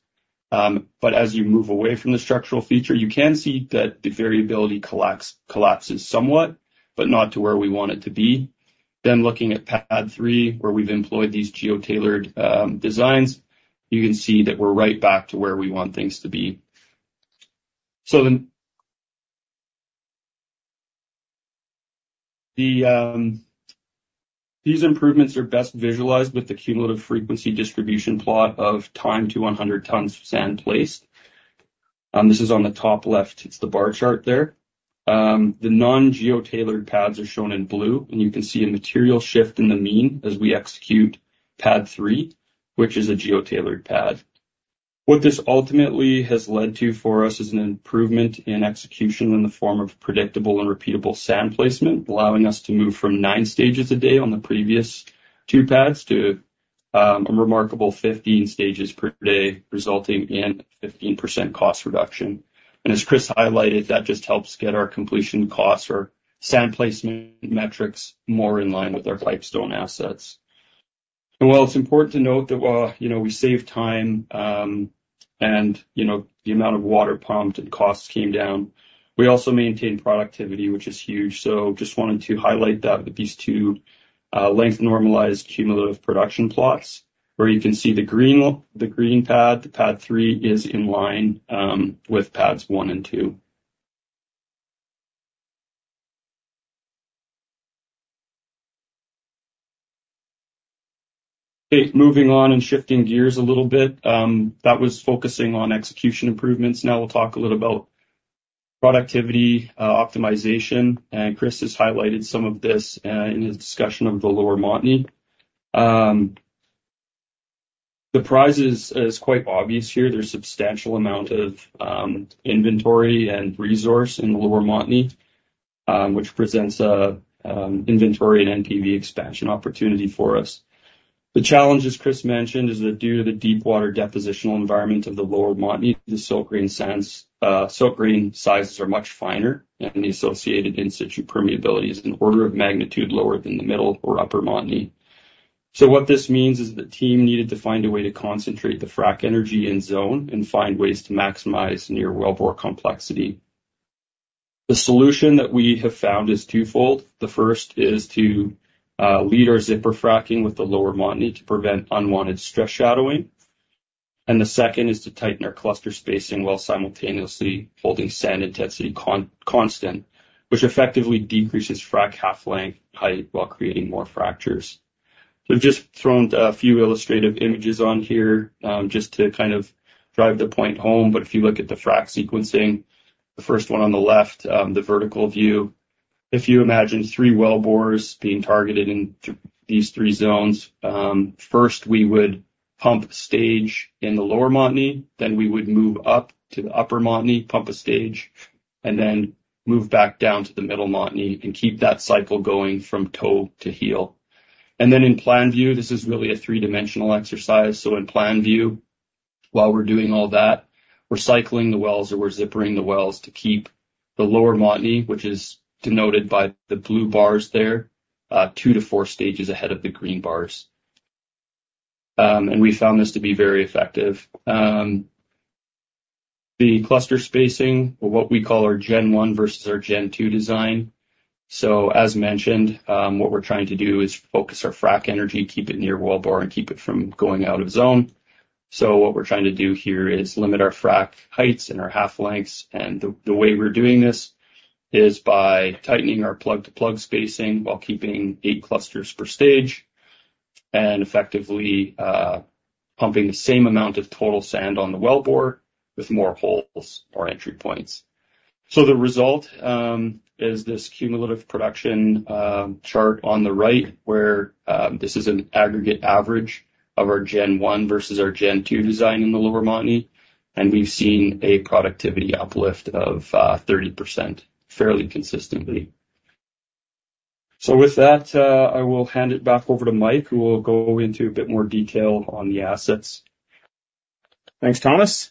S4: But as you move away from the structural feature, you can see that the variability collapses somewhat, but not to where we want it to be. Then looking at pad 3, where we've employed these geo-tailored designs, you can see that we're right back to where we want things to be. So these improvements are best visualized with the cumulative frequency distribution plot of time to 100 tons of sand placed. This is on the top left. It's the bar chart there. The non-geo-tailored pads are shown in blue, and you can see a material shift in the mean as we execute pad 3, which is a geo-tailored pad. What this ultimately has led to for us is an improvement in execution in the form of predictable and repeatable sand placement, allowing us to move from 9 stages a day on the previous 2 pads to a remarkable 15 stages per day, resulting in a 15% cost reduction. As Chris highlighted, that just helps get our completion costs or sand placement metrics more in line with our Pipestone assets. While it's important to note that we saved time and the amount of water pumped and costs came down, we also maintained productivity, which is huge. So just wanted to highlight that with these two length-normalized cumulative production plots, where you can see the green pad, the pad three is in line with pads one and two. Okay, moving on and shifting gears a little bit, that was focusing on execution improvements. Now we'll talk a little about productivity optimization. And Chris has highlighted some of this in his discussion of the Lower Montney. The prize is quite obvious here. There's a substantial amount of inventory and resource in the Lower Montney, which presents an inventory and NPV expansion opportunity for us. The challenge, as Chris mentioned, is that due to the deep water depositional environment of the Lower Montney, the silt grain sizes are much finer, and the associated in-situ permeability is an order of magnitude lower than the Middle or Upper Montney. So what this means is that the team needed to find a way to concentrate the frac energy in zone and find ways to maximize near wellbore complexity. The solution that we have found is twofold. The first is to lead our zipper fracking with the Lower Montney to prevent unwanted stress shadowing. And the second is to tighten our cluster spacing while simultaneously holding sand intensity constant, which effectively decreases frac half-length height while creating more fractures. So I've just thrown a few illustrative images on here just to kind of drive the point home. But if you look at the frac sequencing, the first one on the left, the vertical view, if you imagine three wellbores being targeted in these three zones, first, we would pump a stage in the Lower Montney. Then we would move up to the Upper Montney, pump a stage, and then move back down to the Middle Montney and keep that cycle going from toe to heel. And then in plan view, this is really a three-dimensional exercise. So in plan view, while we're doing all that, we're cycling the wells or we're zippering the wells to keep the Lower Montney, which is denoted by the blue bars there, 2-4 stages ahead of the green bars. And we found this to be very effective. The cluster spacing, what we call our Gen 1 versus our Gen 2 design. So as mentioned, what we're trying to do is focus our frac energy, keep it near wellbore, and keep it from going out of zone. So what we're trying to do here is limit our frac heights and our half-lengths. The way we're doing this is by tightening our plug-to-plug spacing while keeping eight clusters per stage and effectively pumping the same amount of total sand on the wellbore with more holes or entry points. So the result is this cumulative production chart on the right, where this is an aggregate average of our Gen 1 versus our Gen 2 design in the Lower Montney. We've seen a productivity uplift of 30% fairly consistently. So with that, I will hand it back over to Mike, who will go into a bit more detail on the assets.
S3: Thanks, Thomas.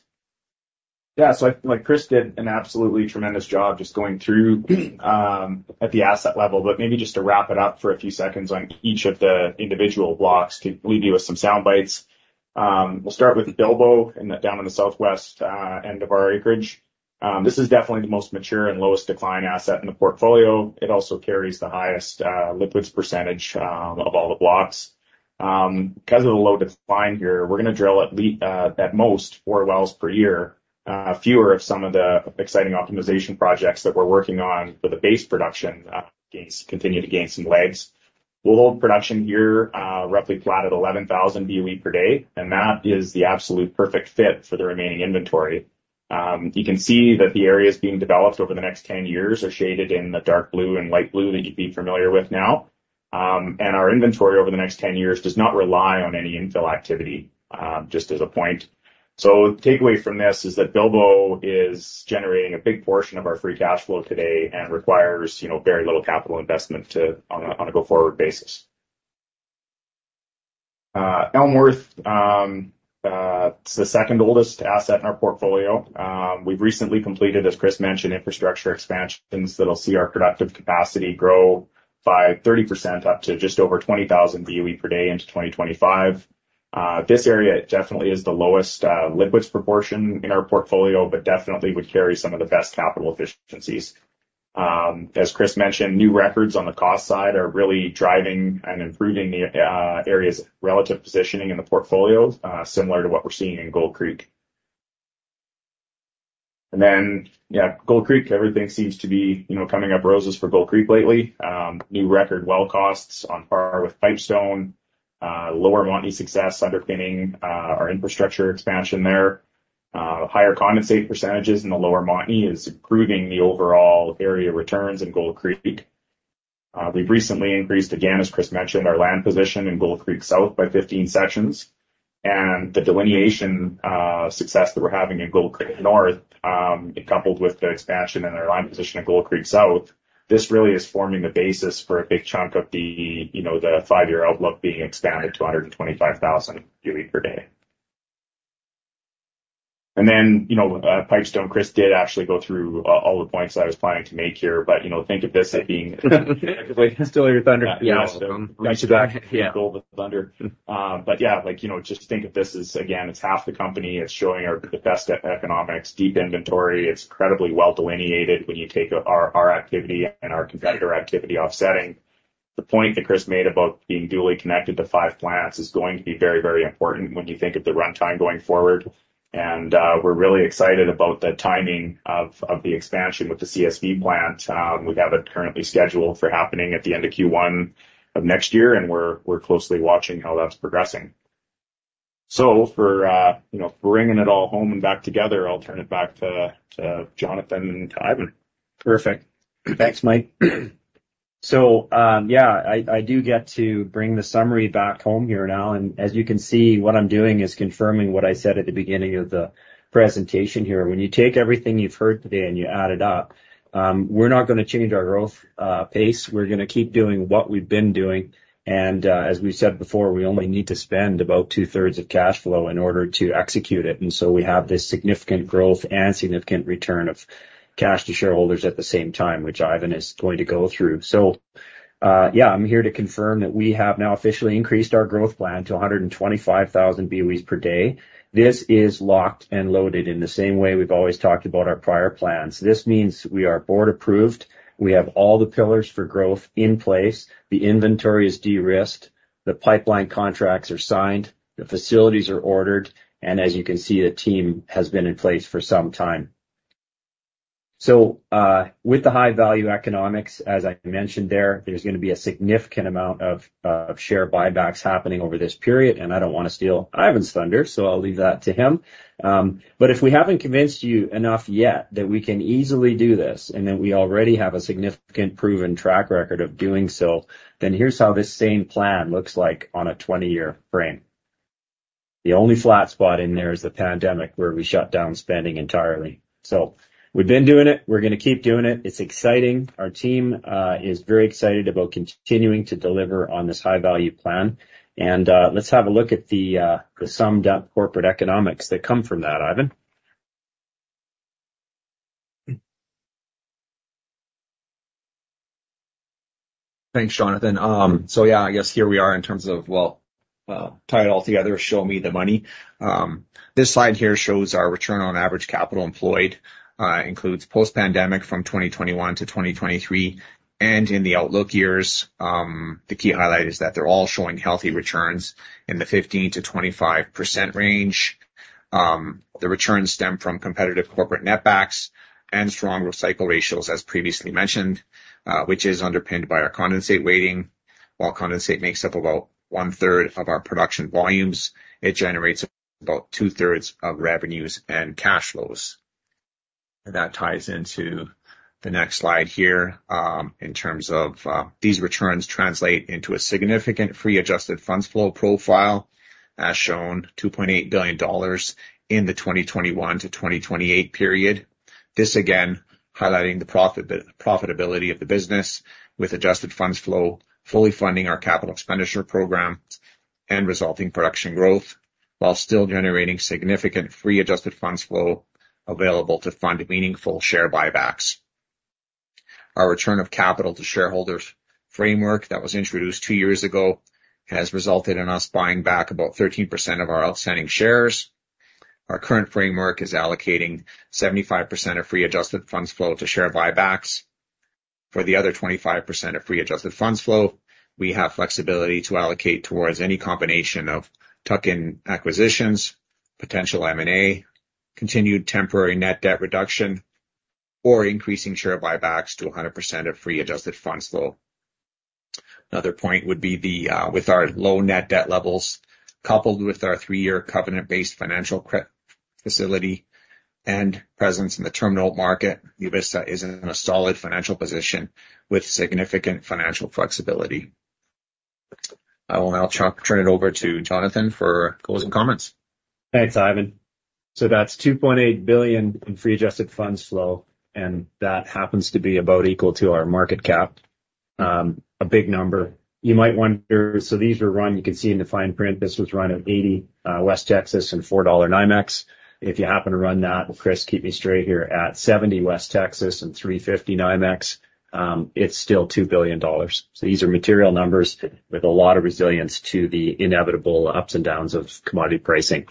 S3: Yeah, so I feel like Chris did an absolutely tremendous job just going through at the asset level. But maybe just to wrap it up for a few seconds on each of the individual blocks to leave you with some sound bites. We'll start with Bilbo down in the southwest end of our acreage. This is definitely the most mature and lowest decline asset in the portfolio. It also carries the highest liquids percentage of all the blocks. Because of the low decline here, we're going to drill at most four wells per year. Fewer of some of the exciting optimization projects that we're working on for the base production continue to gain some legs. We'll hold production here roughly flat at 11,000 BOE per day. And that is the absolute perfect fit for the remaining inventory. You can see that the areas being developed over the next 10 years are shaded in the dark blue and light blue that you'd be familiar with now. Our inventory over the next 10 years does not rely on any infill activity, just as a point. The takeaway from this is that Bilbo is generating a big portion of our free cash flow today and requires very little capital investment on a go-forward basis. Elmworth, it's the second oldest asset in our portfolio. We've recently completed, as Chris mentioned, infrastructure expansions that will see our productive capacity grow by 30% up to just over 20,000 BOE per day into 2025. This area definitely is the lowest liquids proportion in our portfolio, but definitely would carry some of the best capital efficiencies. As Chris mentioned, new records on the cost side are really driving and improving the area's relative positioning in the portfolio, similar to what we're seeing in Gold Creek. Then, yeah, Gold Creek, everything seems to be coming up roses for Gold Creek lately. New record well costs on par with Pipestone. Lower Montney success underpinning our infrastructure expansion there. Higher condensate percentages in the Lower Montney is improving the overall area returns in Gold Creek. We've recently increased, again, as Chris mentioned, our land position in Gold Creek South by 15 sections. And the delineation success that we're having in Gold Creek North, coupled with the expansion in our land position in Gold Creek South, this really is forming the basis for a big chunk of the five-year outlook being expanded to 125,000 BOE per day. And then Pipestone, Chris did actually go through all the points I was planning to make here, but think of this as being. Still your thunder. Yeah. Still your thunder. But yeah, just think of this as, again, it's half the company. It's showing our best economics, deep inventory. It's incredibly well delineated when you take our activity and our competitor activity offsetting. The point that Chris made about being dually connected to five plants is going to be very, very important when you think of the runtime going forward. And we're really excited about the timing of the expansion with the CSV plant. We have it currently scheduled for happening at the end of Q1 of next year, and we're closely watching how that's progressing. So for bringing it all home and back together, I'll turn it back to Jonathan and to Ivan.
S2: Perfect. Thanks, Mike. So yeah, I do get to bring the summary back home here now. As you can see, what I'm doing is confirming what I said at the beginning of the presentation here. When you take everything you've heard today and you add it up, we're not going to change our growth pace. We're going to keep doing what we've been doing. As we've said before, we only need to spend about two-thirds of cash flow in order to execute it. So we have this significant growth and significant return of cash to shareholders at the same time, which Ivan is going to go through. So yeah, I'm here to confirm that we have now officially increased our growth plan to 125,000 BOEs per day. This is locked and loaded in the same way we've always talked about our prior plans. This means we are board approved. We have all the pillars for growth in place. The inventory is de-risked. The pipeline contracts are signed. The facilities are ordered. And as you can see, the team has been in place for some time. So with the high-value economics, as I mentioned there, there's going to be a significant amount of share buybacks happening over this period. And I don't want to steal Ivan's thunder, so I'll leave that to him. But if we haven't convinced you enough yet that we can easily do this, and then we already have a significant proven track record of doing so, then here's how this same plan looks like on a 20-year frame. The only flat spot in there is the pandemic where we shut down spending entirely. So we've been doing it. We're going to keep doing it. It's exciting. Our team is very excited about continuing to deliver on this high-value plan. Let's have a look at the summed-up corporate economics that come from that, Ivan.
S1: Thanks, Jonathan. So yeah, I guess here we are in terms of, well, tie it all together, show me the money. This slide here shows our return on average capital employed, includes post-pandemic from 2021 to 2023. In the outlook years, the key highlight is that they're all showing healthy returns in the 15%-25% range. The returns stem from competitive corporate netbacks and strong recycle ratios, as previously mentioned, which is underpinned by our condensate weighting. While condensate makes up about one-third of our production volumes, it generates about two-thirds of revenues and cash flows. That ties into the next slide here in terms of these returns translate into a significant free adjusted funds flow profile, as shown, 2.8 billion dollars in the 2021 to 2028 period. This, again, highlighting the profitability of the business with adjusted funds flow fully funding our capital expenditure program and resulting production growth, while still generating significant free adjusted funds flow available to fund meaningful share buybacks. Our return of capital to shareholders framework that was introduced two years ago has resulted in us buying back about 13% of our outstanding shares. Our current framework is allocating 75% of free adjusted funds flow to share buybacks. For the other 25% of free adjusted funds flow, we have flexibility to allocate towards any combination of tuck-in acquisitions, potential M&A, continued temporary net debt reduction, or increasing share buybacks to 100% of free adjusted funds flow. Another point would be with our low net debt levels, coupled with our three-year covenant-based financial facility and presence in the term note market, NuVista is in a solid financial position with significant financial flexibility. I will now turn it over to Jonathan for closing comments.
S2: Thanks, Ivan. So that's $2.8 billion in free adjusted funds flow, and that happens to be about equal to our market cap. A big number. You might wonder, so these were run, you can see in the fine print, this was run at $80 West Texas and $4 NYMEX. If you happen to run that, Chris, keep me straight here, at $70 West Texas and $3.50 NYMEX, it's still $2 billion. So these are material numbers with a lot of resilience to the inevitable ups and downs of commodity pricing.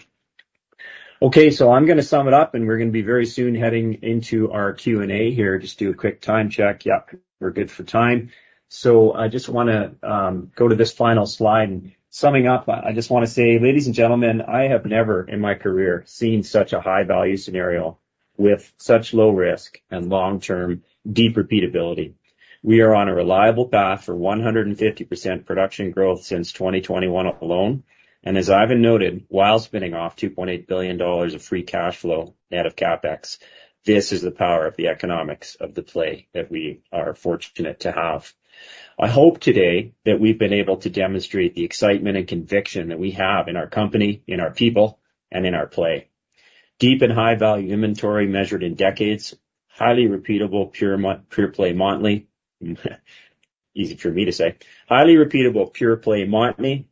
S2: Okay, so I'm going to sum it up, and we're going to be very soon heading into our Q&A here. Just do a quick time check. Yep, we're good for time. So I just want to go to this final slide. Summing up, I just want to say, ladies and gentlemen, I have never in my career seen such a high-value scenario with such low risk and long-term deep repeatability. We are on a reliable path for 150% production growth since 2021 alone. As Ivan noted, while spinning off 2.8 billion dollars of free cash flow net of CapEx, this is the power of the economics of the play that we are fortunate to have. I hope today that we've been able to demonstrate the excitement and conviction that we have in our company, in our people, and in our play. Deep and high-value inventory measured in decades, highly repeatable pure play Montney, easy for me to say, highly repeatable pure play Montney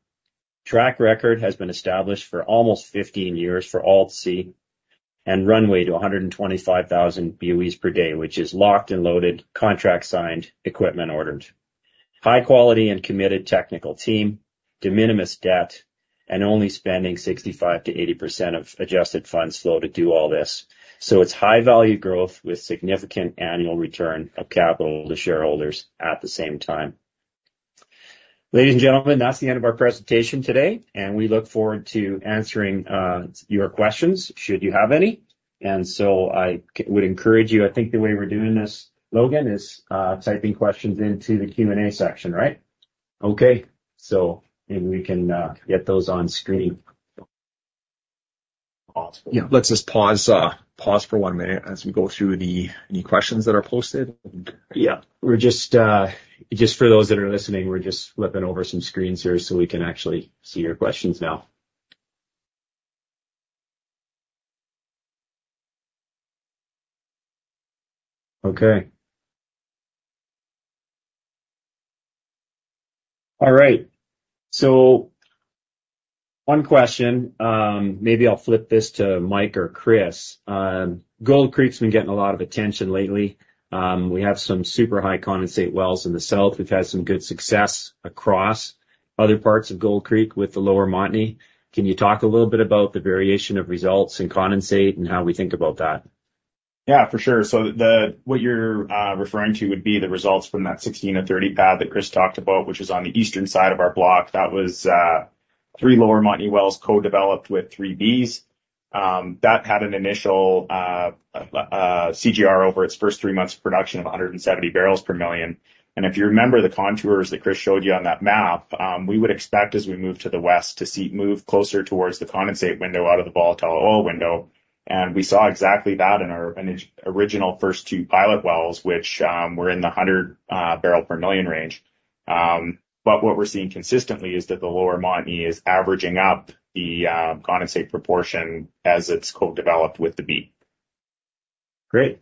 S2: track record has been established for almost 15 years for all to see and runway to 125,000 BOEs per day, which is locked and loaded, contract signed, equipment ordered. High-quality and committed technical team, de minimis debt, and only spending 65%-80% of adjusted funds flow to do all this. So it's high-value growth with significant annual return of capital to shareholders at the same time. Ladies and gentlemen, that's the end of our presentation today, and we look forward to answering your questions should you have any. So I would encourage you, I think the way we're doing this, Logan, is typing questions into the Q&A section, right? Okay. So maybe we can get those on screen.
S5: Yeah, let's just pause for one minute as we go through any questions that are posted.
S2: Yeah. Just for those that are listening, we're just flipping over some screens here so we can actually see your questions now. Okay. All right. So one question, maybe I'll flip this to Mike or Chris. Gold Creek's been getting a lot of attention lately. We have some super high condensate wells in the south. We've had some good success across other parts of Gold Creek with the Lower Montney. Can you talk a little bit about the variation of results in condensate and how we think about that?
S5: Yeah, for sure. So what you're referring to would be the results from that 16-30 pad that Chris talked about, which is on the eastern side of our block. That was three Lower Montney wells co-developed with three Bs. That had an initial CGR over its first three months of production of 170 barrels per million. And if you remember the contours that Chris showed you on that map, we would expect as we move to the west to see move closer towards the condensate window out of the volatile oil window. And we saw exactly that in our original first two pilot wells, which were in the 100 barrel per million range. But what we're seeing consistently is that the Lower Montney is averaging up the condensate proportion as it's co-developed with the B.
S2: Great.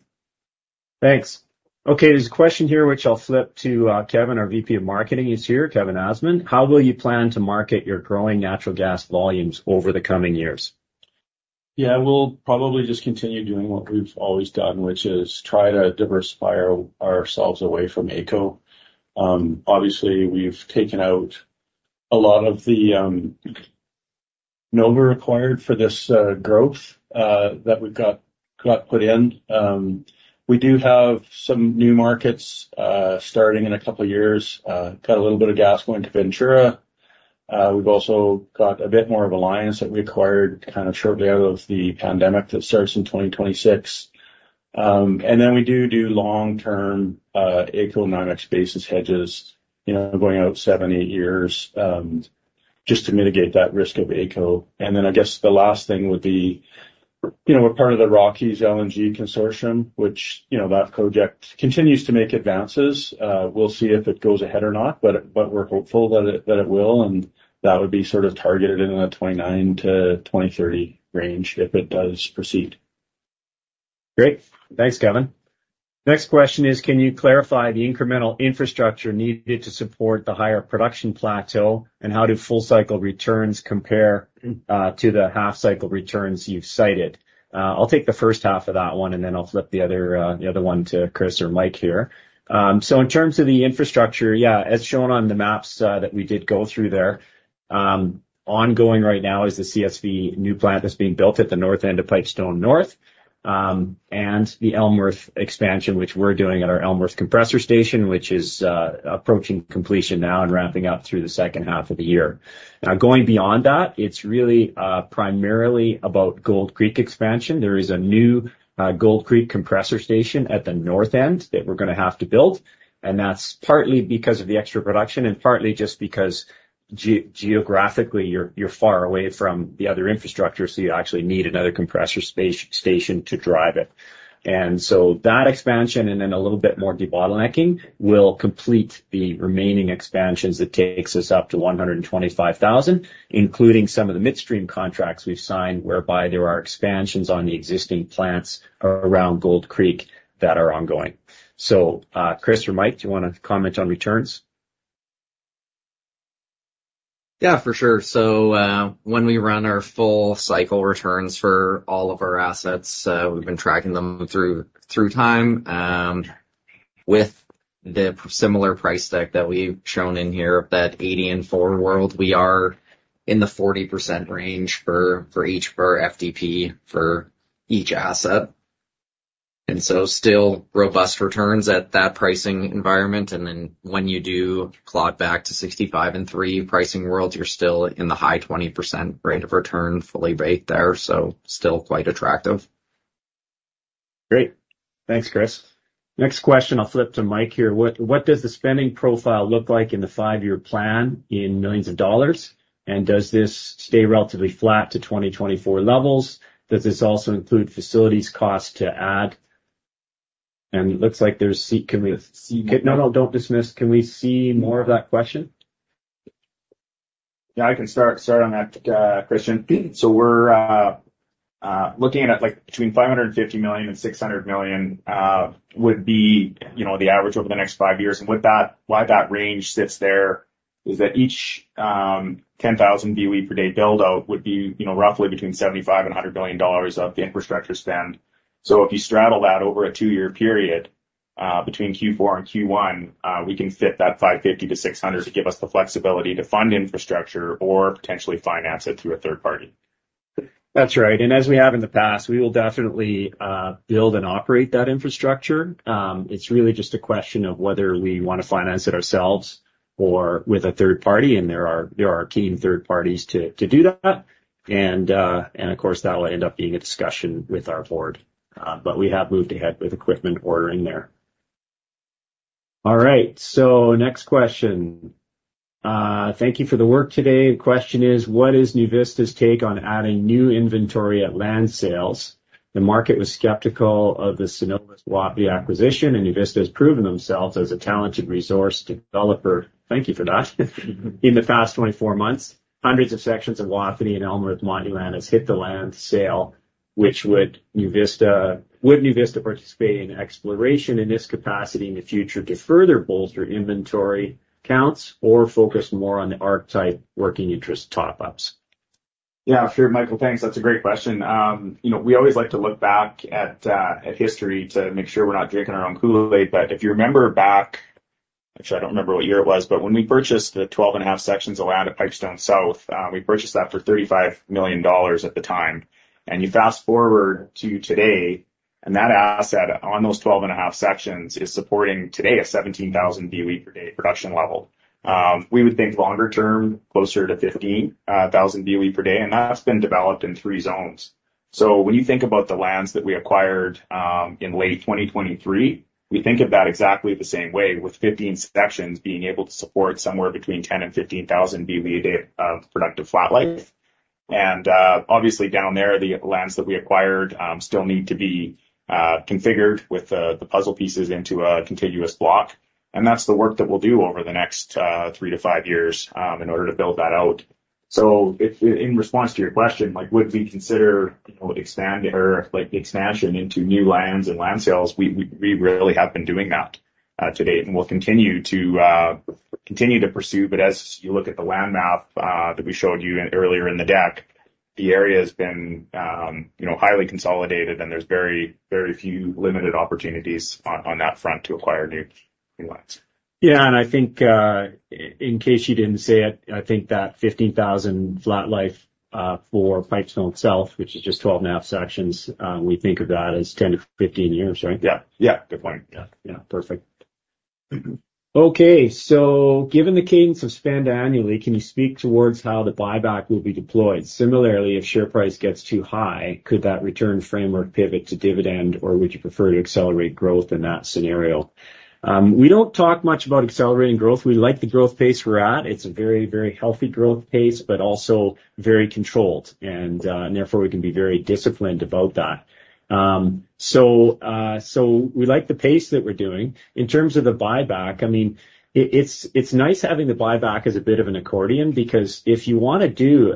S2: Thanks. Okay, there's a question here, which I'll flip to Kevin, our VP of Marketing is here, Kevin Asman. How will you plan to market your growing natural gas volumes over the coming years?
S6: Yeah, we'll probably just continue doing what we've always done, which is try to diversify ourselves away from AECO. Obviously, we've taken out a lot of the NOVA required for this growth that we've got put in. We do have some new markets starting in a couple of years. Got a little bit of gas going to Ventura. We've also got a bit more of Alliance that we acquired kind of shortly out of the pandemic that starts in 2026. And then we do do long-term AECO NYMEX basis hedges, going out 7, 8 years just to mitigate that risk of AECO. And then I guess the last thing would be we're part of the Rockies LNG Consortium, which that project continues to make advances. We'll see if it goes ahead or not, but we're hopeful that it will. That would be sort of targeted in the 2029-2030 range if it does proceed.
S2: Great. Thanks, Kevin. Next question is, can you clarify the incremental infrastructure needed to support the higher production plateau and how do full-cycle returns compare to the half-cycle returns you've cited? I'll take the first half of that one, and then I'll flip the other one to Chris or Mike here. In terms of the infrastructure, yeah, as shown on the maps that we did go through there, ongoing right now is the CSV new plant that's being built at the north end of Pipestone North and the Elmworth expansion, which we're doing at our Elmworth Compressor Station, which is approaching completion now and ramping up through the second half of the year. Now, going beyond that, it's really primarily about Gold Creek expansion. There is a new Gold Creek Compressor Station at the north end that we're going to have to build. That's partly because of the extra production and partly just because geographically you're far away from the other infrastructure, so you actually need another compressor station to drive it. And so that expansion and then a little bit more debottlenecking will complete the remaining expansions that takes us up to 125,000, including some of the midstream contracts we've signed whereby there are expansions on the existing plants around Gold Creek that are ongoing. So Chris or Mike, do you want to comment on returns?
S5: Yeah, for sure. So when we run our full-cycle returns for all of our assets, we've been tracking them through time. With the similar price deck that we've shown in here, that $80 and $4 world, we are in the 40% range for each FDP for each asset. And so still robust returns at that pricing environment. And then when you do dial back to $65 and $3 pricing world, you're still in the high 20% rate of return full IRR there. So still quite attractive.
S2: Great. Thanks, Chris. Next question, I'll flip to Mike here. What does the spending profile look like in the five-year plan in millions of CAD? Does this stay relatively flat to 2024 levels? Does this also include facilities cost to add? It looks like there's-can we-no, no, don't dismiss. Can we see more of that question?
S3: Yeah, I can start on that, Kristian. So we're looking at between 550 million and 600 million would be the average over the next five years. And why that range sits there is that each 10,000 BOE per day buildout would be roughly between 75 million and 100 million dollars of the infrastructure spend. So if you straddle that over a two-year period between Q4 and Q1, we can fit that 550 to 600 to give us the flexibility to fund infrastructure or potentially finance it through a third party.
S2: That's right. And as we have in the past, we will definitely build and operate that infrastructure. It's really just a question of whether we want to finance it ourselves or with a third party. And there are keen third parties to do that. And of course, that will end up being a discussion with our board. But we have moved ahead with equipment ordering there. All right. So next question. Thank you for the work today. The question is, what is NuVista's take on adding new inventory at land sales? The market was skeptical of the Cenovus Wapiti acquisition, and NUVISTA has proven themselves as a talented resource developer. Thank you for that. In the past 24 months, hundreds of sections of Wapiti and Elmworth Montney land has hit the land sale, which would NuVista participate in exploration in this capacity in the future to further bolster inventory counts or focus more on the acreage type working interest top-ups?
S5: Yeah, sure, Michael, thanks. That's a great question. We always like to look back at history to make sure we're not drinking our own Kool-Aid. But if you remember back, actually, I don't remember what year it was, but when we purchased the 12 and a half sections of land at Pipestone South, we purchased that for 35 million dollars at the time. And you fast forward to today, and that asset on those 12 and a half sections is supporting today a 17,000 BOE per day production level. We would think longer term, closer to 15,000 BOE per day. And that's been developed in three zones. So when you think about the lands that we acquired in late 2023, we think of that exactly the same way with 15 sections being able to support somewhere between 10,000-15,000 BOE a day of productive flat life. Obviously down there, the lands that we acquired still need to be configured with the puzzle pieces into a continuous block. That's the work that we'll do over the next 3-5 years in order to build that out. In response to your question, would we consider expanding or expansion into new lands and land sales? We really have been doing that to date, and we'll continue to continue to pursue. As you look at the land map that we showed you earlier in the deck, the area has been highly consolidated, and there's very, very few limited opportunities on that front to acquire new lands.
S2: Yeah. And I think in case you didn't see it, I think that 15,000 flat life for Pipestone South, which is just 12.5 sections, we think of that as 10-15 years, right?
S5: Yeah. Yeah. Good point.
S2: Yeah. Yeah. Perfect. Okay. So given the cadence of spend annually, can you speak towards how the buyback will be deployed? Similarly, if share price gets too high, could that return framework pivot to dividend, or would you prefer to accelerate growth in that scenario? We don't talk much about accelerating growth. We like the growth pace we're at. It's a very, very healthy growth pace, but also very controlled. And therefore, we can be very disciplined about that. So we like the pace that we're doing. In terms of the buyback, I mean, it's nice having the buyback as a bit of an accordion because if you want to do,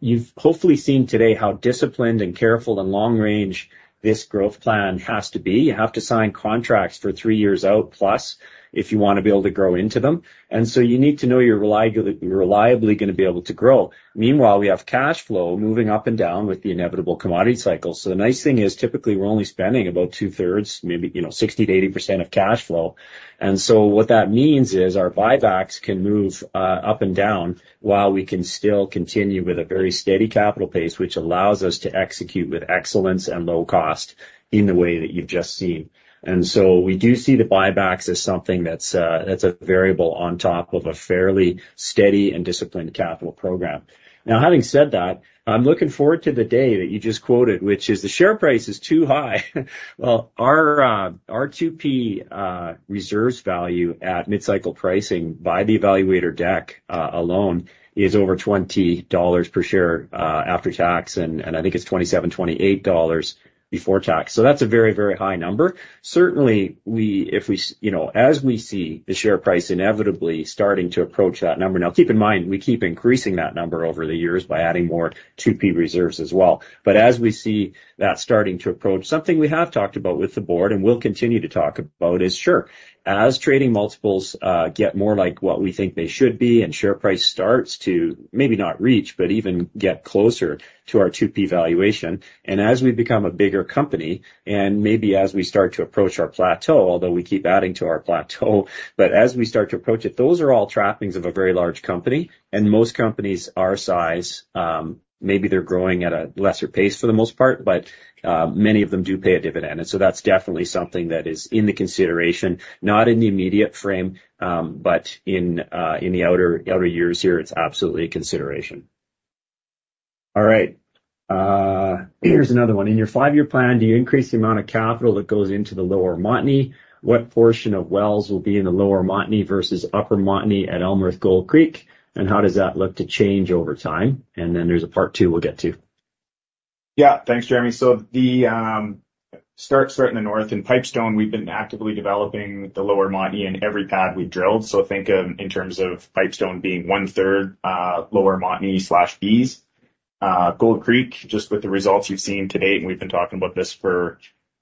S2: you've hopefully seen today how disciplined and careful and long-range this growth plan has to be. You have to sign contracts for three years out plus if you want to be able to grow into them. So you need to know you're reliably going to be able to grow. Meanwhile, we have cash flow moving up and down with the inevitable commodity cycle. The nice thing is typically we're only spending about two-thirds, maybe 60%-80% of cash flow. What that means is our buybacks can move up and down while we can still continue with a very steady capital pace, which allows us to execute with excellence and low cost in the way that you've just seen. We do see the buybacks as something that's a variable on top of a fairly steady and disciplined capital program. Now, having said that, I'm looking forward to the day that you just quoted, which is the share price is too high. Well, our 2P reserves value at midcycle pricing by the evaluator deck alone is over 20 dollars per share after tax, and I think it's 27, 28 dollars before tax. So that's a very, very high number. Certainly, as we see the share price inevitably starting to approach that number. Now, keep in mind, we keep increasing that number over the years by adding more 2P reserves as well. But as we see that starting to approach, something we have talked about with the board and will continue to talk about is, sure, as trading multiples get more like what we think they should be and share price starts to maybe not reach, but even get closer to our 2P valuation. As we become a bigger company and maybe as we start to approach our plateau, although we keep adding to our plateau, but as we start to approach it, those are all trappings of a very large company. Most companies our size, maybe they're growing at a lesser pace for the most part, but many of them do pay a dividend. So that's definitely something that is in the consideration, not in the immediate frame, but in the outer years here, it's absolutely a consideration. All right. Here's another one. In your five-year plan, do you increase the amount of capital that goes into the Lower Montney? What portion of wells will be in the Lower Montney versus Upper Montney at Elmworth Gold Creek? And how does that look to change over time? And then there's a part two we'll get to.
S5: Yeah. Thanks, Jeremy. So start in the north. In Pipestone, we've been actively developing the Lower Montney in every pad we've drilled. So think of in terms of Pipestone being one-third Lower Montney slash Bs. Gold Creek, just with the results you've seen to date, and we've been talking about this for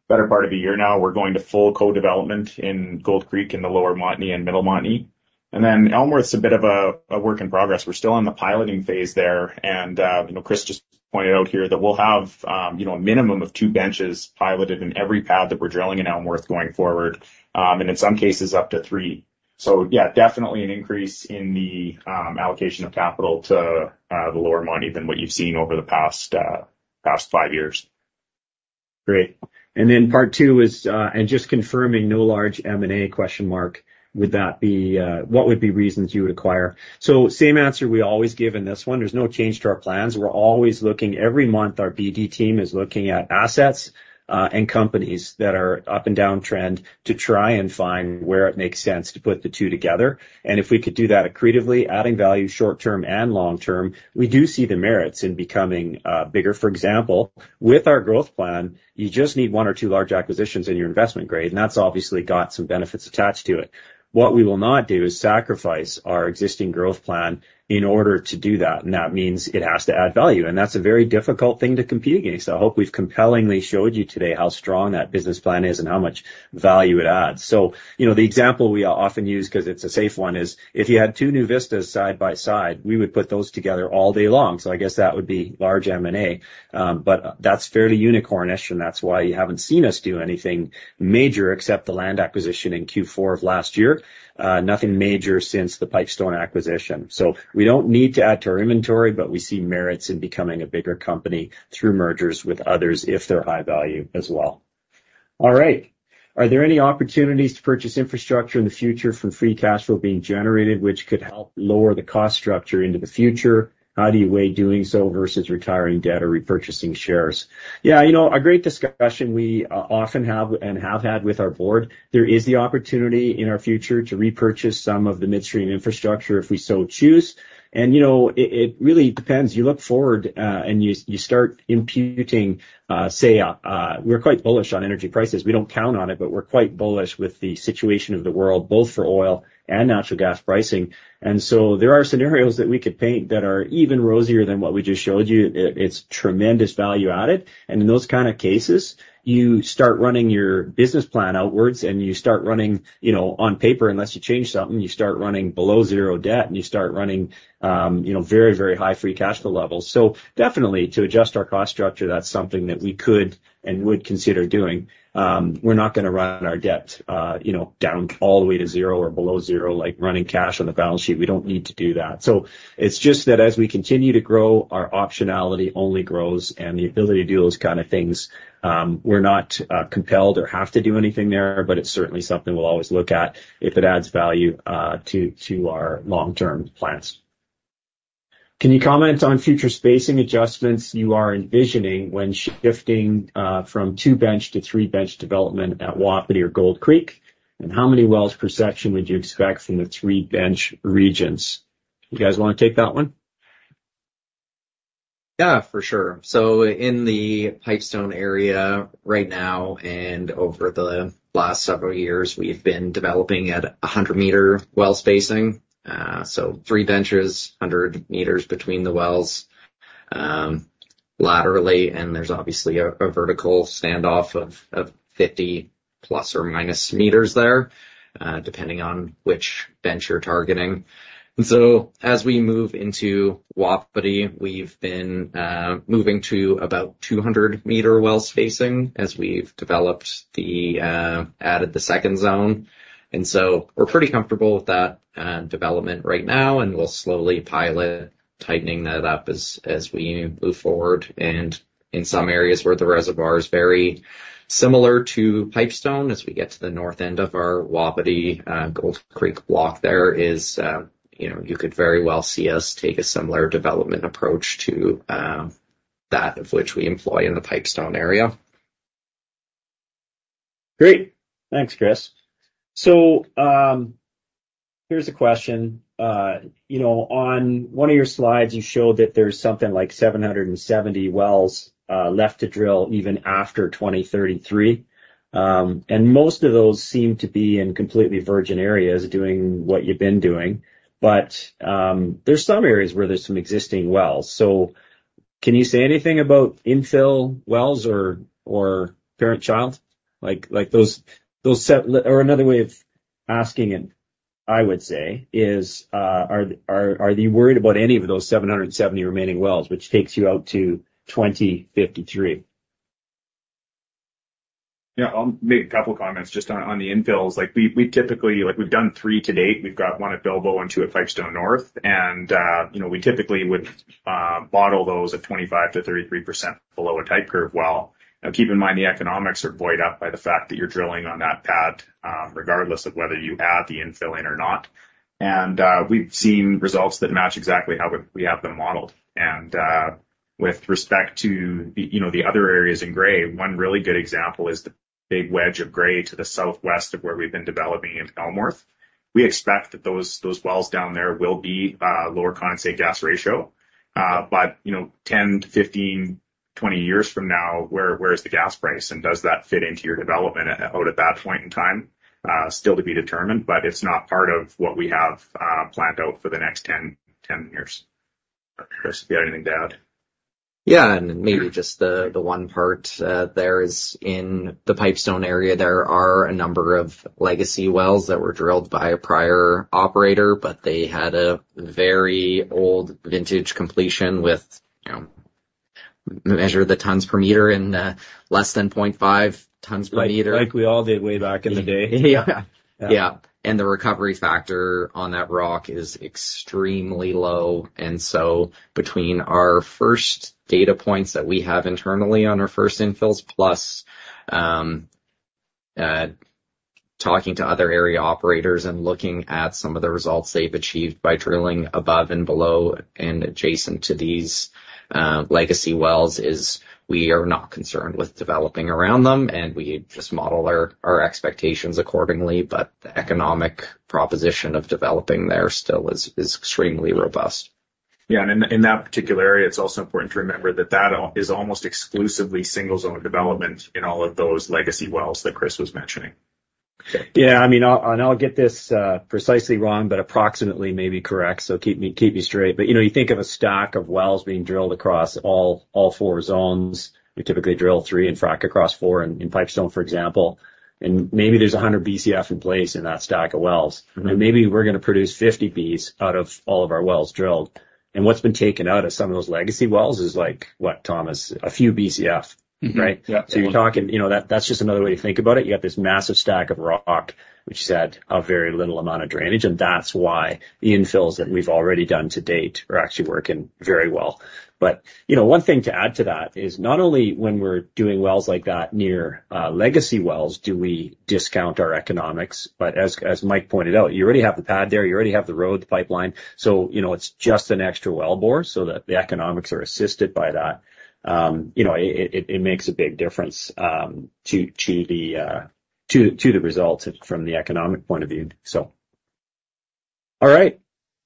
S5: the better part of a year now, we're going to full co-development in Gold Creek in the Lower Montney and Middle Montney. And then Elmworth's a bit of a work in progress. We're still in the piloting phase there. And Chris just pointed out here that we'll have a minimum of two benches piloted in every pad that we're drilling in Elmworth going forward, and in some cases up to three. So yeah, definitely an increase in the allocation of capital to the Lower Montney than what you've seen over the past five years.
S2: Great. Then part two is, just confirming no large M&A? Would that be what would be reasons you would acquire? So same answer we always give in this one. There's no change to our plans. We're always looking every month, our BD team is looking at assets and companies that are up and down trend to try and find where it makes sense to put the two together. And if we could do that accretively, adding value short-term and long-term, we do see the merits in becoming bigger. For example, with our growth plan, you just need one or two large acquisitions in your investment grade, and that's obviously got some benefits attached to it. What we will not do is sacrifice our existing growth plan in order to do that. And that means it has to add value. That's a very difficult thing to compete against. I hope we've compellingly showed you today how strong that business plan is and how much value it adds. The example we often use, because it's a safe one, is if you had two NuVistas side by side, we would put those together all day long. I guess that would be large M&A. That's fairly unicornish, and that's why you haven't seen us do anything major except the land acquisition in Q4 of last year. Nothing major since the Pipestone acquisition. We don't need to add to our inventory, but we see merits in becoming a bigger company through mergers with others if they're high value as well. All right. Are there any opportunities to purchase infrastructure in the future from free cash flow being generated, which could help lower the cost structure into the future? How do you weigh doing so versus retiring debt or repurchasing shares? Yeah, a great discussion we often have and have had with our board. There is the opportunity in our future to repurchase some of the midstream infrastructure if we so choose. And it really depends. You look forward and you start imputing, say, we're quite bullish on energy prices. We don't count on it, but we're quite bullish with the situation of the world, both for oil and natural gas pricing. And so there are scenarios that we could paint that are even rosier than what we just showed you. It's tremendous value added. And in those kind of cases, you start running your business plan outwards and you start running on paper, unless you change something, you start running below zero debt and you start running very, very high free cash flow levels. So definitely to adjust our cost structure, that's something that we could and would consider doing. We're not going to run our debt down all the way to zero or below zero, like running cash on the balance sheet. We don't need to do that. So it's just that as we continue to grow, our optionality only grows and the ability to do those kind of things. We're not compelled or have to do anything there, but it's certainly something we'll always look at if it adds value to our long-term plans. Can you comment on future spacing adjustments you are envisioning when shifting from two-bench to three-bench development at Wapiti or Gold Creek? And how many wells per section would you expect from the three-bench regions? You guys want to take that one?
S5: Yeah, for sure. In the Pipestone area right now and over the last several years, we've been developing at 100-meter well spacing. Three benches, 100 meters between the wells laterally. There's obviously a vertical standoff of 50 ± meters there, depending on which bench you're targeting. As we move into Wapiti, we've been moving to about 200-meter well spacing as we've developed, added the second zone. We're pretty comfortable with that development right now, and we'll slowly pilot tightening that up as we move forward. In some areas where the reservoirs very similar to Pipestone, as we get to the north end of our Wapiti Gold Creek block there, you could very well see us take a similar development approach to that of which we employ in the Pipestone area.
S1: Great. Thanks, Chris. So here's a question. On one of your slides, you showed that there's something like 770 wells left to drill even after 2033. And most of those seem to be in completely virgin areas doing what you've been doing. But there's some areas where there's some existing wells. So can you say anything about infill wells or parent-child? Or another way of asking it, I would say, is are you worried about any of those 770 remaining wells, which takes you out to 2053?
S5: Yeah. I'll make a couple of comments just on the infills. We've done three to date. We've got one at Bilbo and two at Pipestone North. And we typically would model those at 25%-33% below a type curve well. Now, keep in mind the economics are buoyed up by the fact that you're drilling on that pad regardless of whether you add the infill in or not. And we've seen results that match exactly how we have them modeled. And with respect to the other areas in gray, one really good example is the big wedge of gray to the southwest of where we've been developing in Elmworth. We expect that those wells down there will be lower condensate-gas ratio. But 10-15, 20 years from now, where is the gas price? And does that fit into your development out at that point in time? Still to be determined, but it's not part of what we have planned out for the next 10 years. Chris, if you had anything to add. Yeah. And maybe just the one part there is in the Pipestone area. There are a number of legacy wells that were drilled by a prior operator, but they had a very old vintage completion with measured tons per meter in less than 0.5 tons per meter.
S1: Like we all did way back in the day.
S5: Yeah. Yeah. The recovery factor on that rock is extremely low. So between our first data points that we have internally on our first infills plus talking to other area operators and looking at some of the results they've achieved by drilling above and below and adjacent to these legacy wells, we are not concerned with developing around them. We just model our expectations accordingly. But the economic proposition of developing there still is extremely robust. Yeah. And in that particular area, it's also important to remember that that is almost exclusively single-zone development in all of those legacy wells that Chris was mentioning.
S2: Yeah. I mean, and I'll get this precisely wrong, but approximately may be correct. So keep me straight. But you think of a stack of wells being drilled across all four zones. We typically drill three and frac across four in Pipestone, for example. And maybe there's 100 BCF in place in that stack of wells. And maybe we're going to produce 50 Bs out of all of our wells drilled. And what's been taken out of some of those legacy wells is, what, Thomas, a few BCF, right?
S5: Yeah.
S2: So you're talking that's just another way to think about it. You got this massive stack of rock, which has had a very little amount of drainage. And that's why the infills that we've already done to date are actually working very well. But one thing to add to that is not only when we're doing wells like that near legacy wells, do we discount our economics. But as Mike pointed out, you already have the pad there. You already have the road, the pipeline. So it's just an extra wellbore so that the economics are assisted by that. It makes a big difference to the results from the economic point of view, so. All right.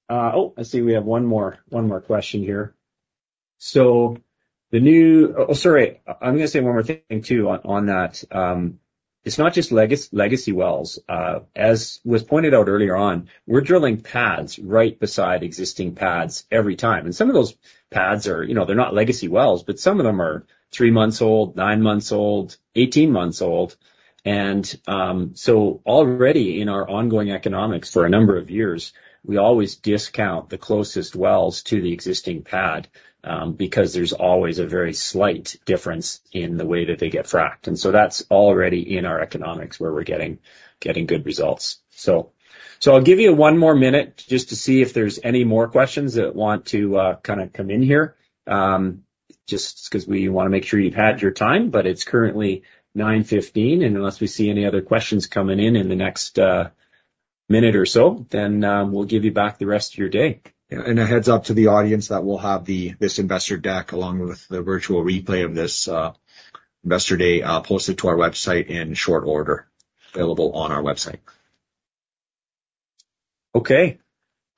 S2: Oh, I see we have one more question here. So the new—oh, sorry. I'm going to say one more thing too on that. It's not just legacy wells.
S1: As was pointed out earlier on, we're drilling pads right beside existing pads every time. Some of those pads are, they're not legacy wells, but some of them are 3 months old, 9 months old, 18 months old. So already in our ongoing economics for a number of years, we always discount the closest wells to the existing pad because there's always a very slight difference in the way that they get fracked. So that's already in our economics where we're getting good results. I'll give you 1 more minute just to see if there's any more questions that want to kind of come in here, just because we want to make sure you've had your time. But it's currently 9:15 A.M. Unless we see any other questions coming in in the next minute or so, then we'll give you back the rest of your day.
S5: A heads-up to the audience that we'll have this investor deck along with the virtual replay of this investor day posted to our website in short order, available on our website.
S1: Okay.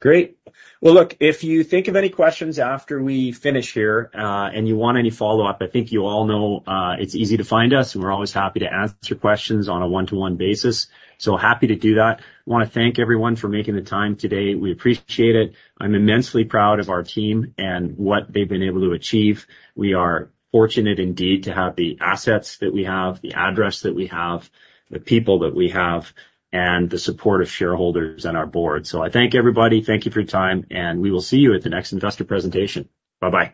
S1: Great. Well, look, if you think of any questions after we finish here and you want any follow-up, I think you all know it's easy to find us. And we're always happy to answer questions on a one-to-one basis. So happy to do that. I want to thank everyone for making the time today. We appreciate it. I'm immensely proud of our team and what they've been able to achieve. We are fortunate indeed to have the assets that we have, the address that we have, the people that we have, and the support of shareholders and our board. So I thank everybody. Thank you for your time. And we will see you at the next investor presentation. Bye-bye.